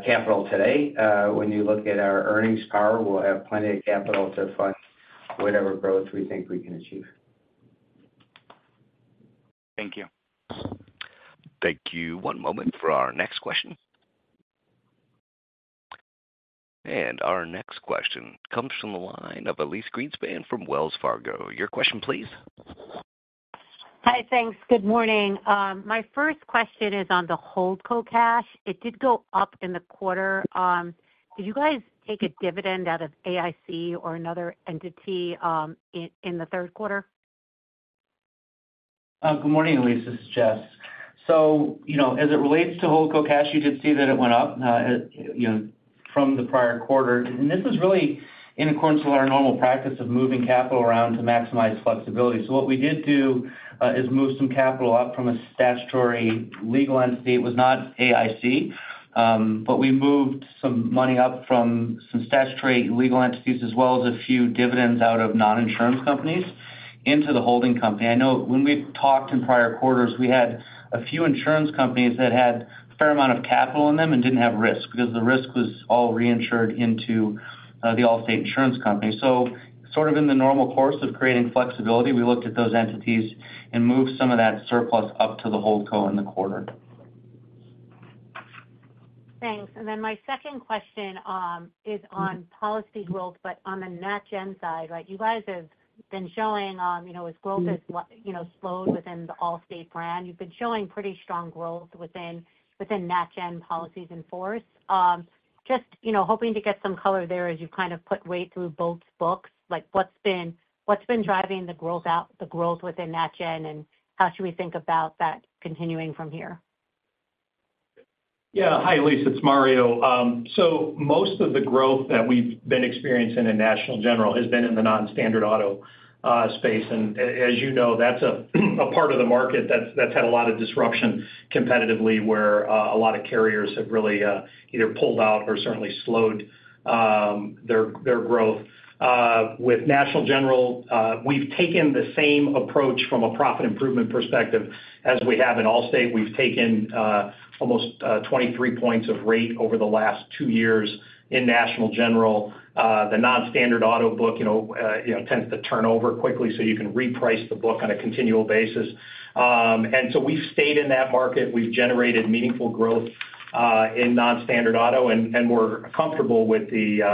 capital today. When you look at our earnings power, we'll have plenty of capital to fund whatever growth we think we can achieve. Thank you. Thank you. One moment for our next question. Our next question comes from the line of Elyse Greenspan from Wells Fargo. Your question, please. Hi, thanks. Good morning. My first question is on the holdco cash. It did go up in the quarter. Did you guys take a dividend out of AIC or another entity, in the third quarter? Good morning, Elyse, this is Jess. So, you know, as it relates to Holdco cash, you did see that it went up, you know, from the prior quarter. This is really in accordance with our normal practice of moving capital around to maximize flexibility. So what we did do is move some capital up from a statutory legal entity. It was not AIC, but we moved some money up from some statutory legal entities, as well as a few dividends out of non-insurance companies into the holding company. I know when we've talked in prior quarters, we had a few insurance companies that had a fair amount of capital in them and didn't have risk, because the risk was all reinsured into the Allstate Insurance Company. Sort of in the normal course of creating flexibility, we looked at those entities and moved some of that surplus up to the Holdco in the quarter. Thanks. Then my second question is on policy growth, but on the NatGen side, right? You guys have been showing, you know, as growth has, you know, slowed within the Allstate brand, you've been showing pretty strong growth within NatGen policies in force. Just, you know, hoping to get some color there as you kind of put weight through both books, like, what's been driving the growth within NatGen, and how should we think about that continuing from here? Yeah. Hi, Elyse, it's Mario. So most of the growth that we've been experiencing in National General has been in the non-standard auto space. And as you know, that's a part of the market that's had a lot of disruption competitively, where a lot of carriers have really either pulled out or certainly slowed their growth. With National General, we've taken the same approach from a profit improvement perspective as we have in Allstate. We've taken almost 23 points of rate over the last two years in National General. The non-standard auto book, you know, tends to turn over quickly, so you can reprice the book on a continual basis. And so we've stayed in that market. We've generated meaningful growth in non-standard auto, and we're comfortable with the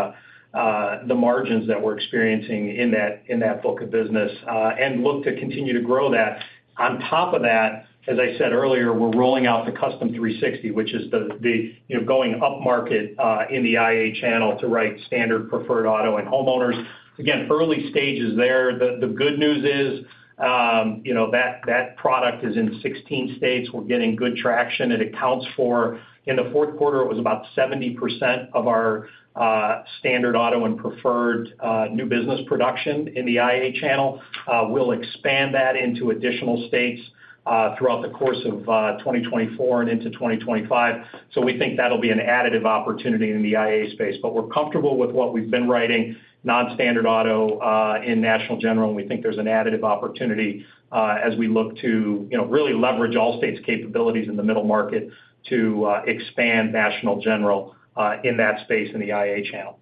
margins that we're experiencing in that book of business, and look to continue to grow that. On top of that, as I said earlier, we're rolling out the Custom 360, which is the, you know, going upmarket in the IA channel to write standard preferred auto and homeowners. Again, early stages there. The good news is, you know, that product is in 16 states. We're getting good traction. It accounts for, in the fourth quarter, it was about 70% of our standard auto and preferred new business production in the IA channel. We'll expand that into additional states throughout the course of 2024 and into 2025. So we think that'll be an additive opportunity in the IA space. But we're comfortable with what we've been writing, non-standard auto, in National General, and we think there's an additive opportunity, as we look to, you know, really leverage Allstate's capabilities in the middle market to, expand National General, in that space in the IA channel.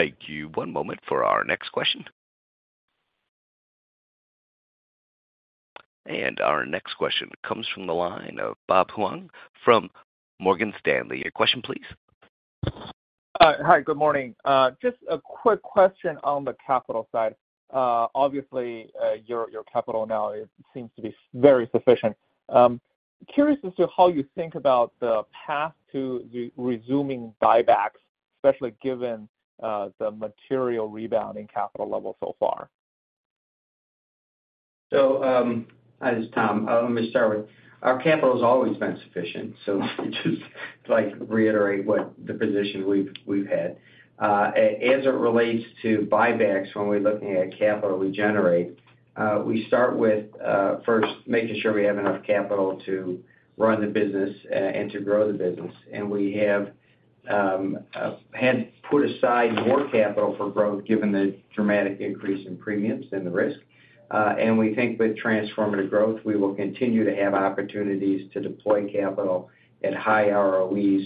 Thank you. One moment for our next question. Our next question comes from the line of Bob Huang from Morgan Stanley. Your question please. Hi, good morning. Just a quick question on the capital side. Obviously, your capital now seems to be very sufficient. Curious as to how you think about the path to resuming buybacks, especially given the material rebound in capital level so far. So, hi, this is Tom. Let me start with, our capital has always been sufficient, so just to, like, reiterate what the position we've had. As it relates to buybacks, when we're looking at capital we generate, we start with, first making sure we have enough capital to run the business, and to grow the business. And we have had put aside more capital for growth, given the dramatic increase in premiums than the risk. And we think with Transformative Growth, we will continue to have opportunities to deploy capital at high ROEs,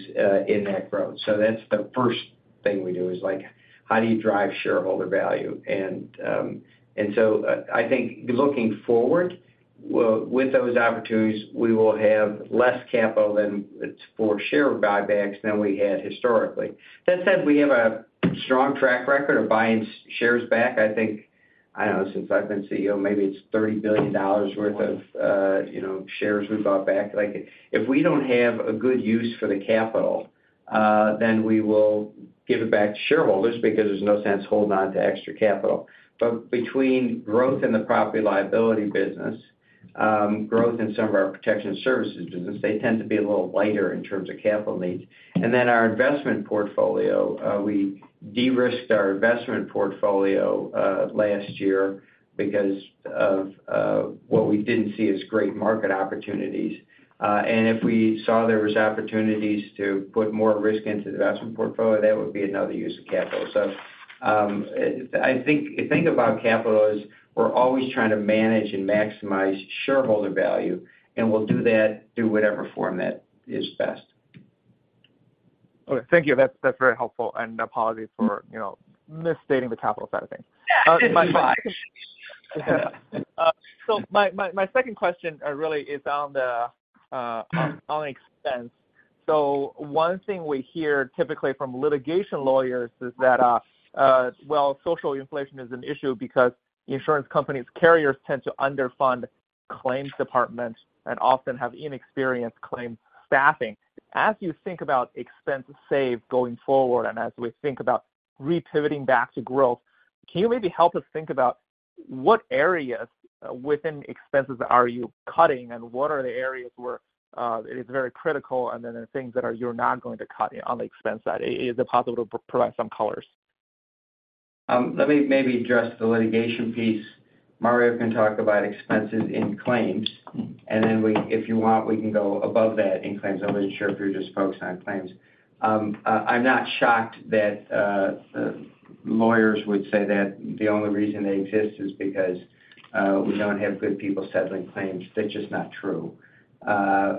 in that growth. So that's the first thing we do, is like, how do you drive shareholder value? And, and so I think looking forward, with those opportunities, we will have less capital than for share buybacks than we had historically. That said, we have a strong track record of buying shares back. I think, I don't know, since I've been CEO, maybe it's $30 billion worth of, you know, shares we bought back. Like, if we don't have a good use for the capital, then we will give it back to shareholders because there's no sense holding on to extra capital. But between growth in the Property-Liability business, growth in some of our Protection Services business, they tend to be a little lighter in terms of capital needs. And then our investment portfolio, we de-risked our investment portfolio last year because of what we didn't see as great market opportunities. And if we saw there was opportunities to put more risk into the investment portfolio, that would be another use of capital. So, I think the thing about capital is we're always trying to manage and maximize shareholder value, and we'll do that through whatever form that is best. Okay. Thank you. That's very helpful, and apologies for, you know, misstating the capital side of things. So my second question really is on the expense. So one thing we hear typically from litigation lawyers is that, well, social inflation is an issue because insurance companies, carriers tend to underfund claims departments and often have inexperienced claims staffing. As you think about expense save going forward, and as we think about re-pivoting back to growth, can you maybe help us think about what areas within expenses are you cutting, and what are the areas where it is very critical, and then the things that are, you're not going to cut on the expense side? Is it possible to provide some colors? Let me maybe address the litigation piece. Mario can talk about expenses in claims, and then we, if you want, we can go above that in claims. I wasn't sure if you're just focused on claims. I'm not shocked that lawyers would say that the only reason they exist is because we don't have good people settling claims. That's just not true.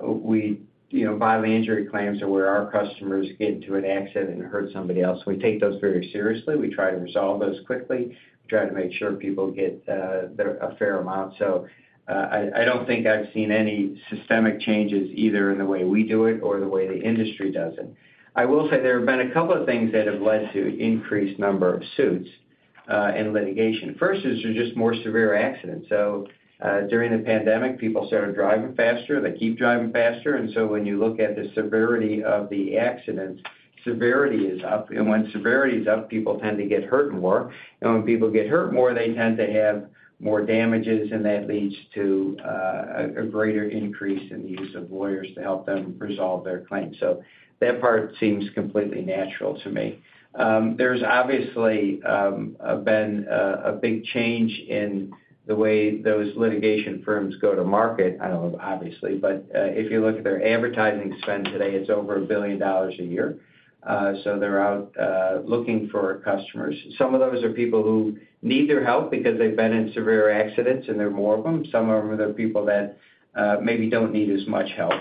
We, you know, Bodily injury claims are where our customers get into an accident and hurt somebody else. We take those very seriously. We try to resolve those quickly. We try to make sure people get a fair amount. So, I don't think I've seen any systemic changes, either in the way we do it or the way the industry does it. I will say there have been a couple of things that have led to increased number of suits, and litigation. First, is there's just more severe accidents. So, during the pandemic, people started driving faster, they keep driving faster, and so when you look at the severity of the accidents, severity is up. And when severity is up, people tend to get hurt more. And when people get hurt more, they tend to have more damages, and that leads to, a greater increase in the use of lawyers to help them resolve their claims. So that part seems completely natural to me. There's obviously been a big change in the way those litigation firms go to market, I don't know, obviously, but, if you look at their advertising spend today, it's over $1 billion a year. So they're out looking for customers. Some of those are people who need their help because they've been in severe accidents, and there are more of them. Some of them are the people that maybe don't need as much help.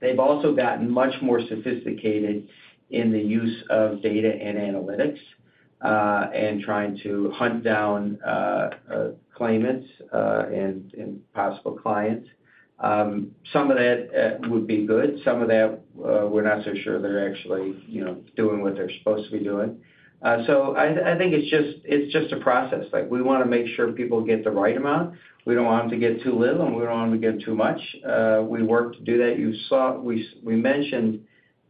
They've also gotten much more sophisticated in the use of data and analytics and trying to hunt down claimants and possible clients. Some of that would be good. Some of that, we're not so sure they're actually, you know, doing what they're supposed to be doing. So I think it's just a process. Like, we wanna make sure people get the right amount. We don't want them to get too little, and we don't want them to get too much. We work to do that. You saw we mentioned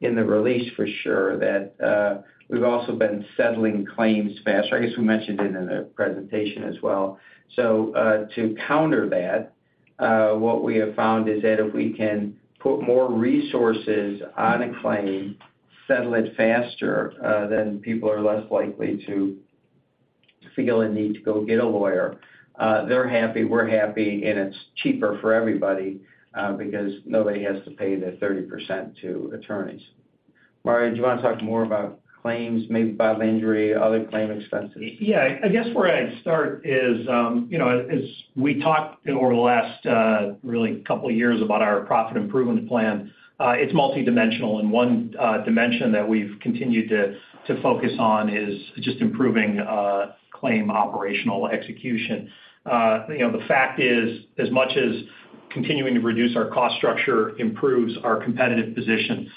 in the release for sure that we've also been settling claims faster. I guess, we mentioned it in the presentation as well. So, to counter that, what we have found is that if we can put more resources on a claim, settle it faster, then people are less likely to feel a need to go get a lawyer. They're happy, we're happy, and it's cheaper for everybody, because nobody has to pay the 30% to attorneys. Mario, do you wanna talk more about claims, maybe bodily injury, other claim expenses? Yeah. I guess, where I'd start is, you know, as we talked over the last really couple years about our profit improvement plan, it's multidimensional, and one dimension that we've continued to focus on is just improving claim operational execution. You know, the fact is, as much as continuing to reduce our cost structure improves our competitive position,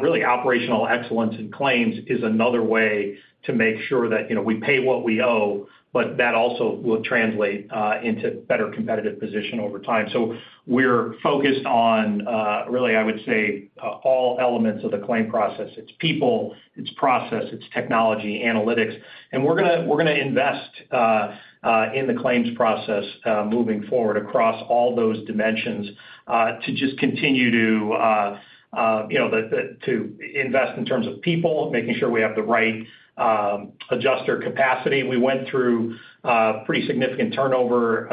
really operational excellence in claims is another way to make sure that, you know, we pay what we owe, but that also will translate into better competitive position over time. So we're focused on really, I would say, all elements of the claim process. It's people, it's process, it's technology, analytics. And we're gonna invest in the claims process moving forward across all those dimensions to just continue to you know to invest in terms of people, making sure we have the right adjuster capacity. We went through pretty significant turnover.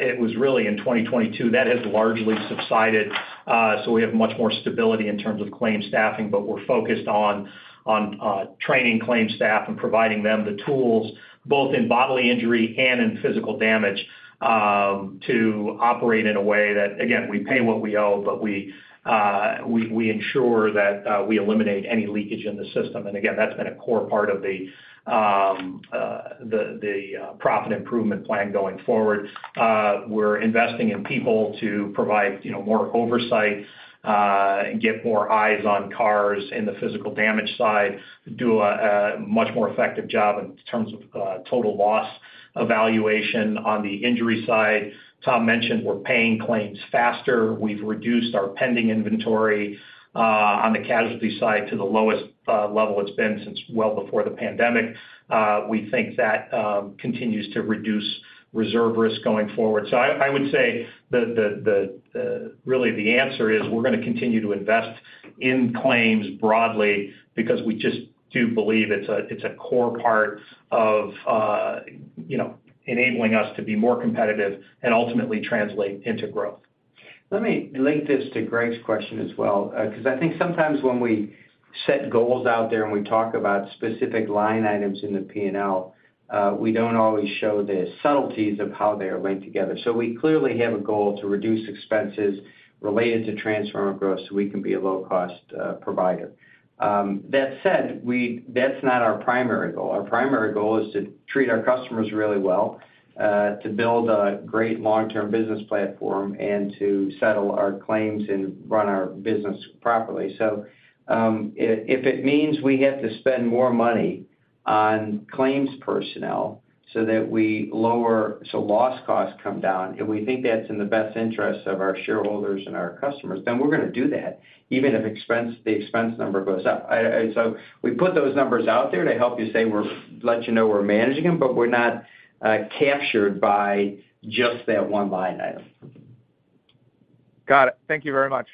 It was really in 2022. That has largely subsided, so we have much more stability in terms of claims staffing. But we're focused on training claims staff and providing them the tools, both in bodily injury and in physical damage, to operate in a way that, again, we pay what we owe, but we ensure that we eliminate any leakage in the system. And again, that's been a core part of the profit improvement plan going forward. We're investing in people to provide, you know, more oversight, and get more eyes on cars in the physical damage side, do a much more effective job in terms of, total loss evaluation on the injury side. Tom mentioned we're paying claims faster. We've reduced our pending inventory, on the casualty side to the lowest, level it's been since well before the pandemic. We think that, continues to reduce reserve risk going forward. So I would say the, really the answer is, we're gonna continue to invest in claims broadly because we just do believe it's a core part of enabling us to be more competitive and ultimately translate into growth. Let me link this to Greg's question as well, because I think sometimes when we set goals out there, and we talk about specific line items in the P&L, we don't always show the subtleties of how they are linked together. So we clearly have a goal to reduce expenses related to Transformative Growth, so we can be a low-cost provider. That said, that's not our primary goal. Our primary goal is to treat our customers really well, to build a great long-term business platform, and to settle our claims and run our business properly. So, if it means we have to spend more money on claims personnel. So that we lower, so loss costs come down, if we think that's in the best interest of our shareholders and our customers, then we're gonna do that, even if expense, the expense number goes up. I, so we put those numbers out there to help you say we're, let you know we're managing them, but we're not captured by just that one line item. Got it. Thank you very much.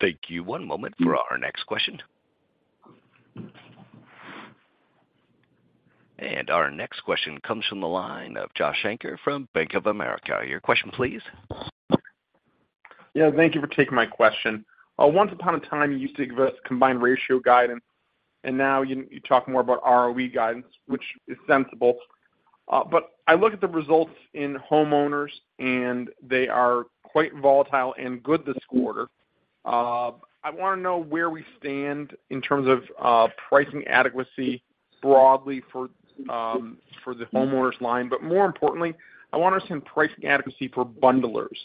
Thank you. One moment for our next question. Our next question comes from the line of Josh Shanker from Bank of America. Your question, please. Yeah, thank you for taking my question. Once upon a time, you used to give us combined ratio guidance, and now you talk more about ROE guidance, which is sensible. But I look at the results in homeowners, and they are quite volatile and good this quarter. I wanna know where we stand in terms of pricing adequacy broadly for the homeowners line. But more importantly, I wanna understand pricing adequacy for bundlers.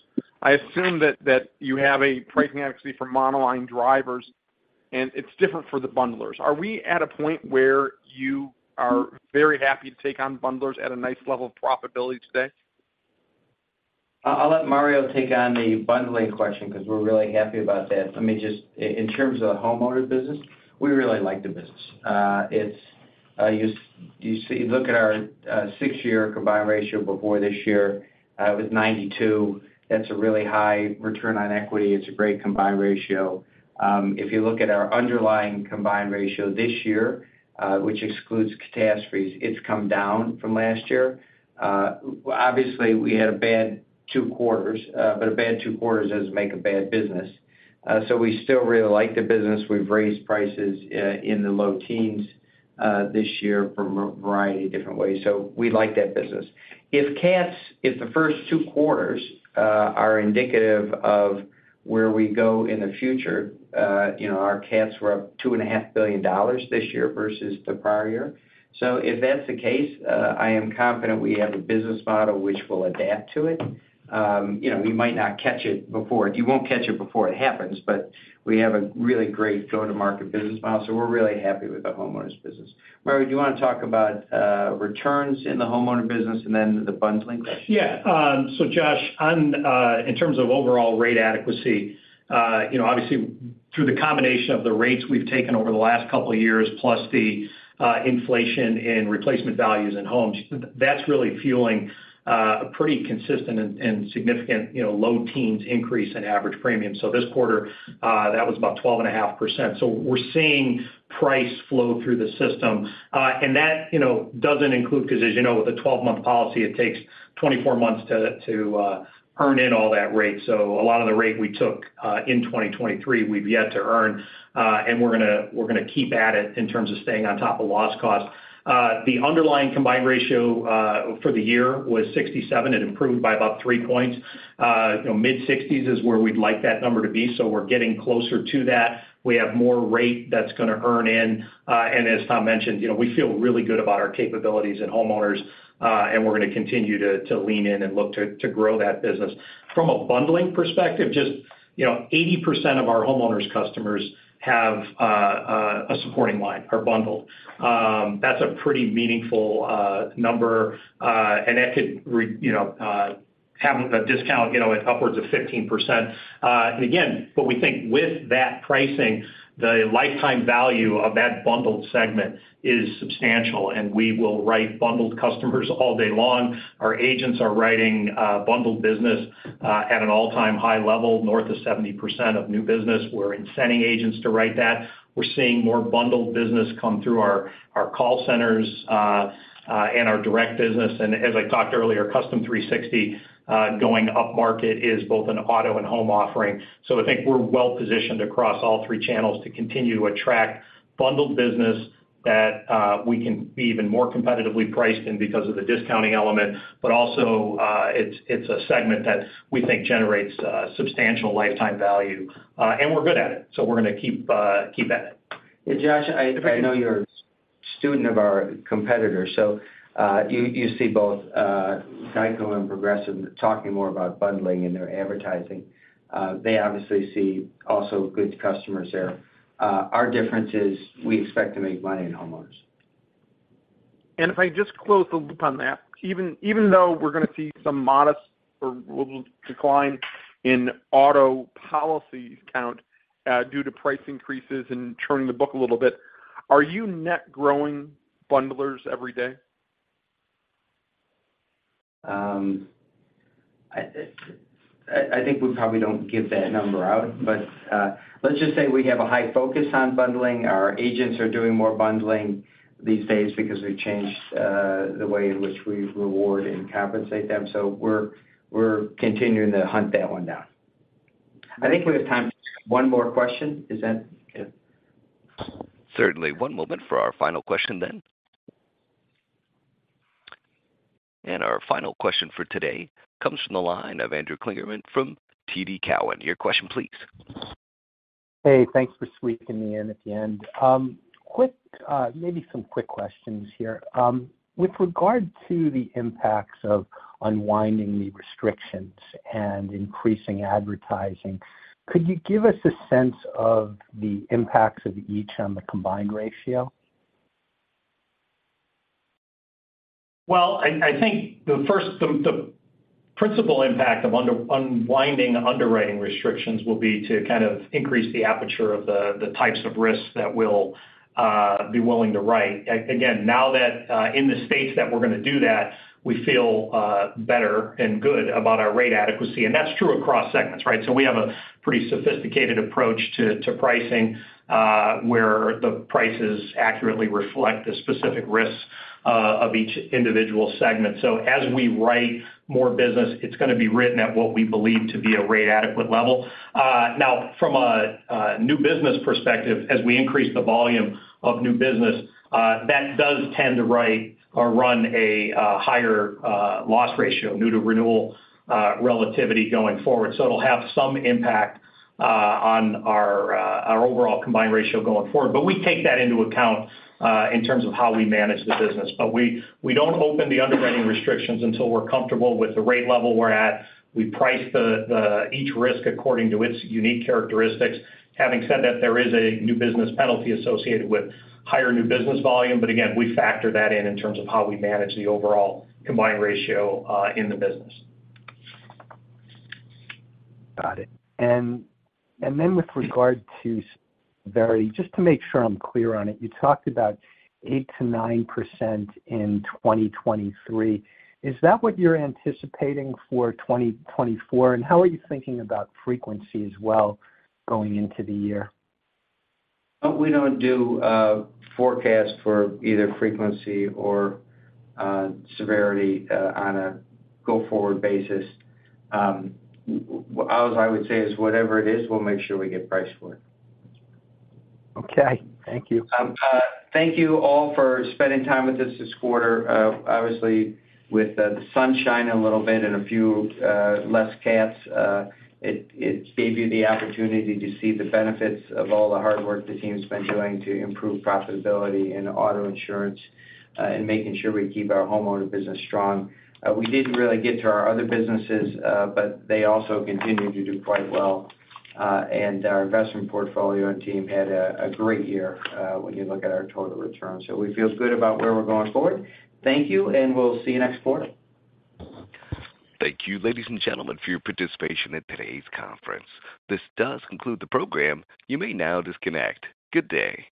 I assume that you have a pricing adequacy for monoline drivers, and it's different for the bundlers. Are we at a point where you are very happy to take on bundlers at a nice level of profitability today? I'll let Mario take on the bundling question because we're really happy about that. Let me just in terms of the homeowners business, we really like the business. It's, you see, look at our six-year combined ratio before this year, it was 92. That's a really high return on equity. It's a great combined ratio. If you look at our underlying combined ratio this year, which excludes catastrophes, it's come down from last year. Obviously, we had a bad two quarters, but a bad two quarters doesn't make a bad business. So we still really like the business. We've raised prices in the low teens this year from a variety of different ways, so we like that business. If cats, if the first two quarters are indicative of where we go in the future, you know, our cats were up $2.5 billion this year versus the prior year. So if that's the case, I am confident we have a business model which will adapt to it. You know, we might not catch it before. You won't catch it before it happens, but we have a really great go-to-market business model, so we're really happy with the homeowners business. Mario, do you wanna talk about returns in the homeowner business and then the bundling question? Yeah. So Josh, on in terms of overall rate adequacy, you know, obviously, through the combination of the rates we've taken over the last couple of years, plus the inflation in replacement values in homes, that's really fueling a pretty consistent and significant, you know, low teens increase in average premium. So this quarter, that was about 12.5%. So we're seeing price flow through the system. And that, you know, doesn't include, because, as you know, with a 12-month policy, it takes 24 months to earn in all that rate. So a lot of the rate we took in 2023, we've yet to earn, and we're gonna keep at it in terms of staying on top of loss costs. The underlying combined ratio for the year was 67. It improved by about three points. You know, mid-sixties is where we'd like that number to be, so we're getting closer to that. We have more rate that's gonna earn in. And as Tom mentioned, you know, we feel really good about our capabilities at homeowners, and we're gonna continue to lean in and look to grow that business. From a bundling perspective, just, you know, 80% of our homeowners customers have a supporting line, are bundled. That's a pretty meaningful number, and that could you know, have a discount, you know, upwards of 15%. And again, but we think with that pricing, the lifetime value of that bundled segment is substantial, and we will write bundled customers all day long. Our agents are writing bundled business at an all-time high level, north of 70% of new business. We're incenting agents to write that. We're seeing more bundled business come through our call centers and our direct business. And as I talked earlier, Custom 360 going upmarket is both an auto and home offering. So I think we're well positioned across all three channels to continue to attract bundled business that we can be even more competitively priced in because of the discounting element, but also, it's a segment that we think generates substantial lifetime value and we're good at it, so we're gonna keep at it. Yeah, Josh, I know you're a student of our competitors, so you see both GEICO and Progressive talking more about bundling in their advertising. They obviously see also good customers there. Our difference is, we expect to make money in homeowners. If I just close the loop on that, even, even though we're gonna see some modest or little decline in auto policy count, due to price increases and churning the book a little bit, are you net growing bundlers every day? I think we probably don't give that number out. But, let's just say we have a high focus on bundling. Our agents are doing more bundling these days because we've changed the way in which we reward and compensate them, so we're continuing to hunt that one down. I think we have time for one more question. Is that okay? Certainly. One moment for our final question then. Our final question for today comes from the line of Andrew Kligerman from TD Cowen. Your question please. Hey, thanks for squeezing me in at the end. Quick, maybe some quick questions here. With regard to the impacts of unwinding the restrictions and increasing advertising, could you give us a sense of the impacts of each on the combined ratio? Well, I think the first, the principal impact of unwinding underwriting restrictions will be to kind of increase the aperture of the types of risks that we'll be willing to write. Again, now that in the states that we're gonna do that, we feel better and good about our rate adequacy, and that's true across segments, right? So we have a pretty sophisticated approach to pricing, where the prices accurately reflect the specific risks of each individual segment. So as we write more business, it's gonna be written at what we believe to be a rate adequate level. Now, from a new business perspective, as we increase the volume of new business, that does tend to write or run a higher loss ratio due to renewal relativity going forward. So it'll have some impact on our overall combined ratio going forward. But we take that into account in terms of how we manage the business. But we don't open the underwriting restrictions until we're comfortable with the rate level we're at. We price each risk according to its unique characteristics. Having said that, there is a new business penalty associated with higher new business volume, but again, we factor that in in terms of how we manage the overall combined ratio in the business. Got it. And, and then with regard to severity, just to make sure I'm clear on it, you talked about 8%-9% in 2023. Is that what you're anticipating for 2024? And how are you thinking about frequency as well, going into the year? We don't do forecasts for either frequency or severity on a go-forward basis. All I would say is whatever it is, we'll make sure we get priced for it. Okay, thank you. Thank you all for spending time with us this quarter. Obviously, with the sun shining a little bit and a few less cats, it gave you the opportunity to see the benefits of all the hard work the team's been doing to improve profitability in auto insurance, and making sure we keep our homeowner business strong. We didn't really get to our other businesses, but they also continued to do quite well. And our investment portfolio and team had a great year, when you look at our total returns. So we feel good about where we're going forward. Thank you, and we'll see you next quarter. Thank you, ladies and gentlemen, for your participation in today's conference. This does conclude the program. You may now disconnect. Good day!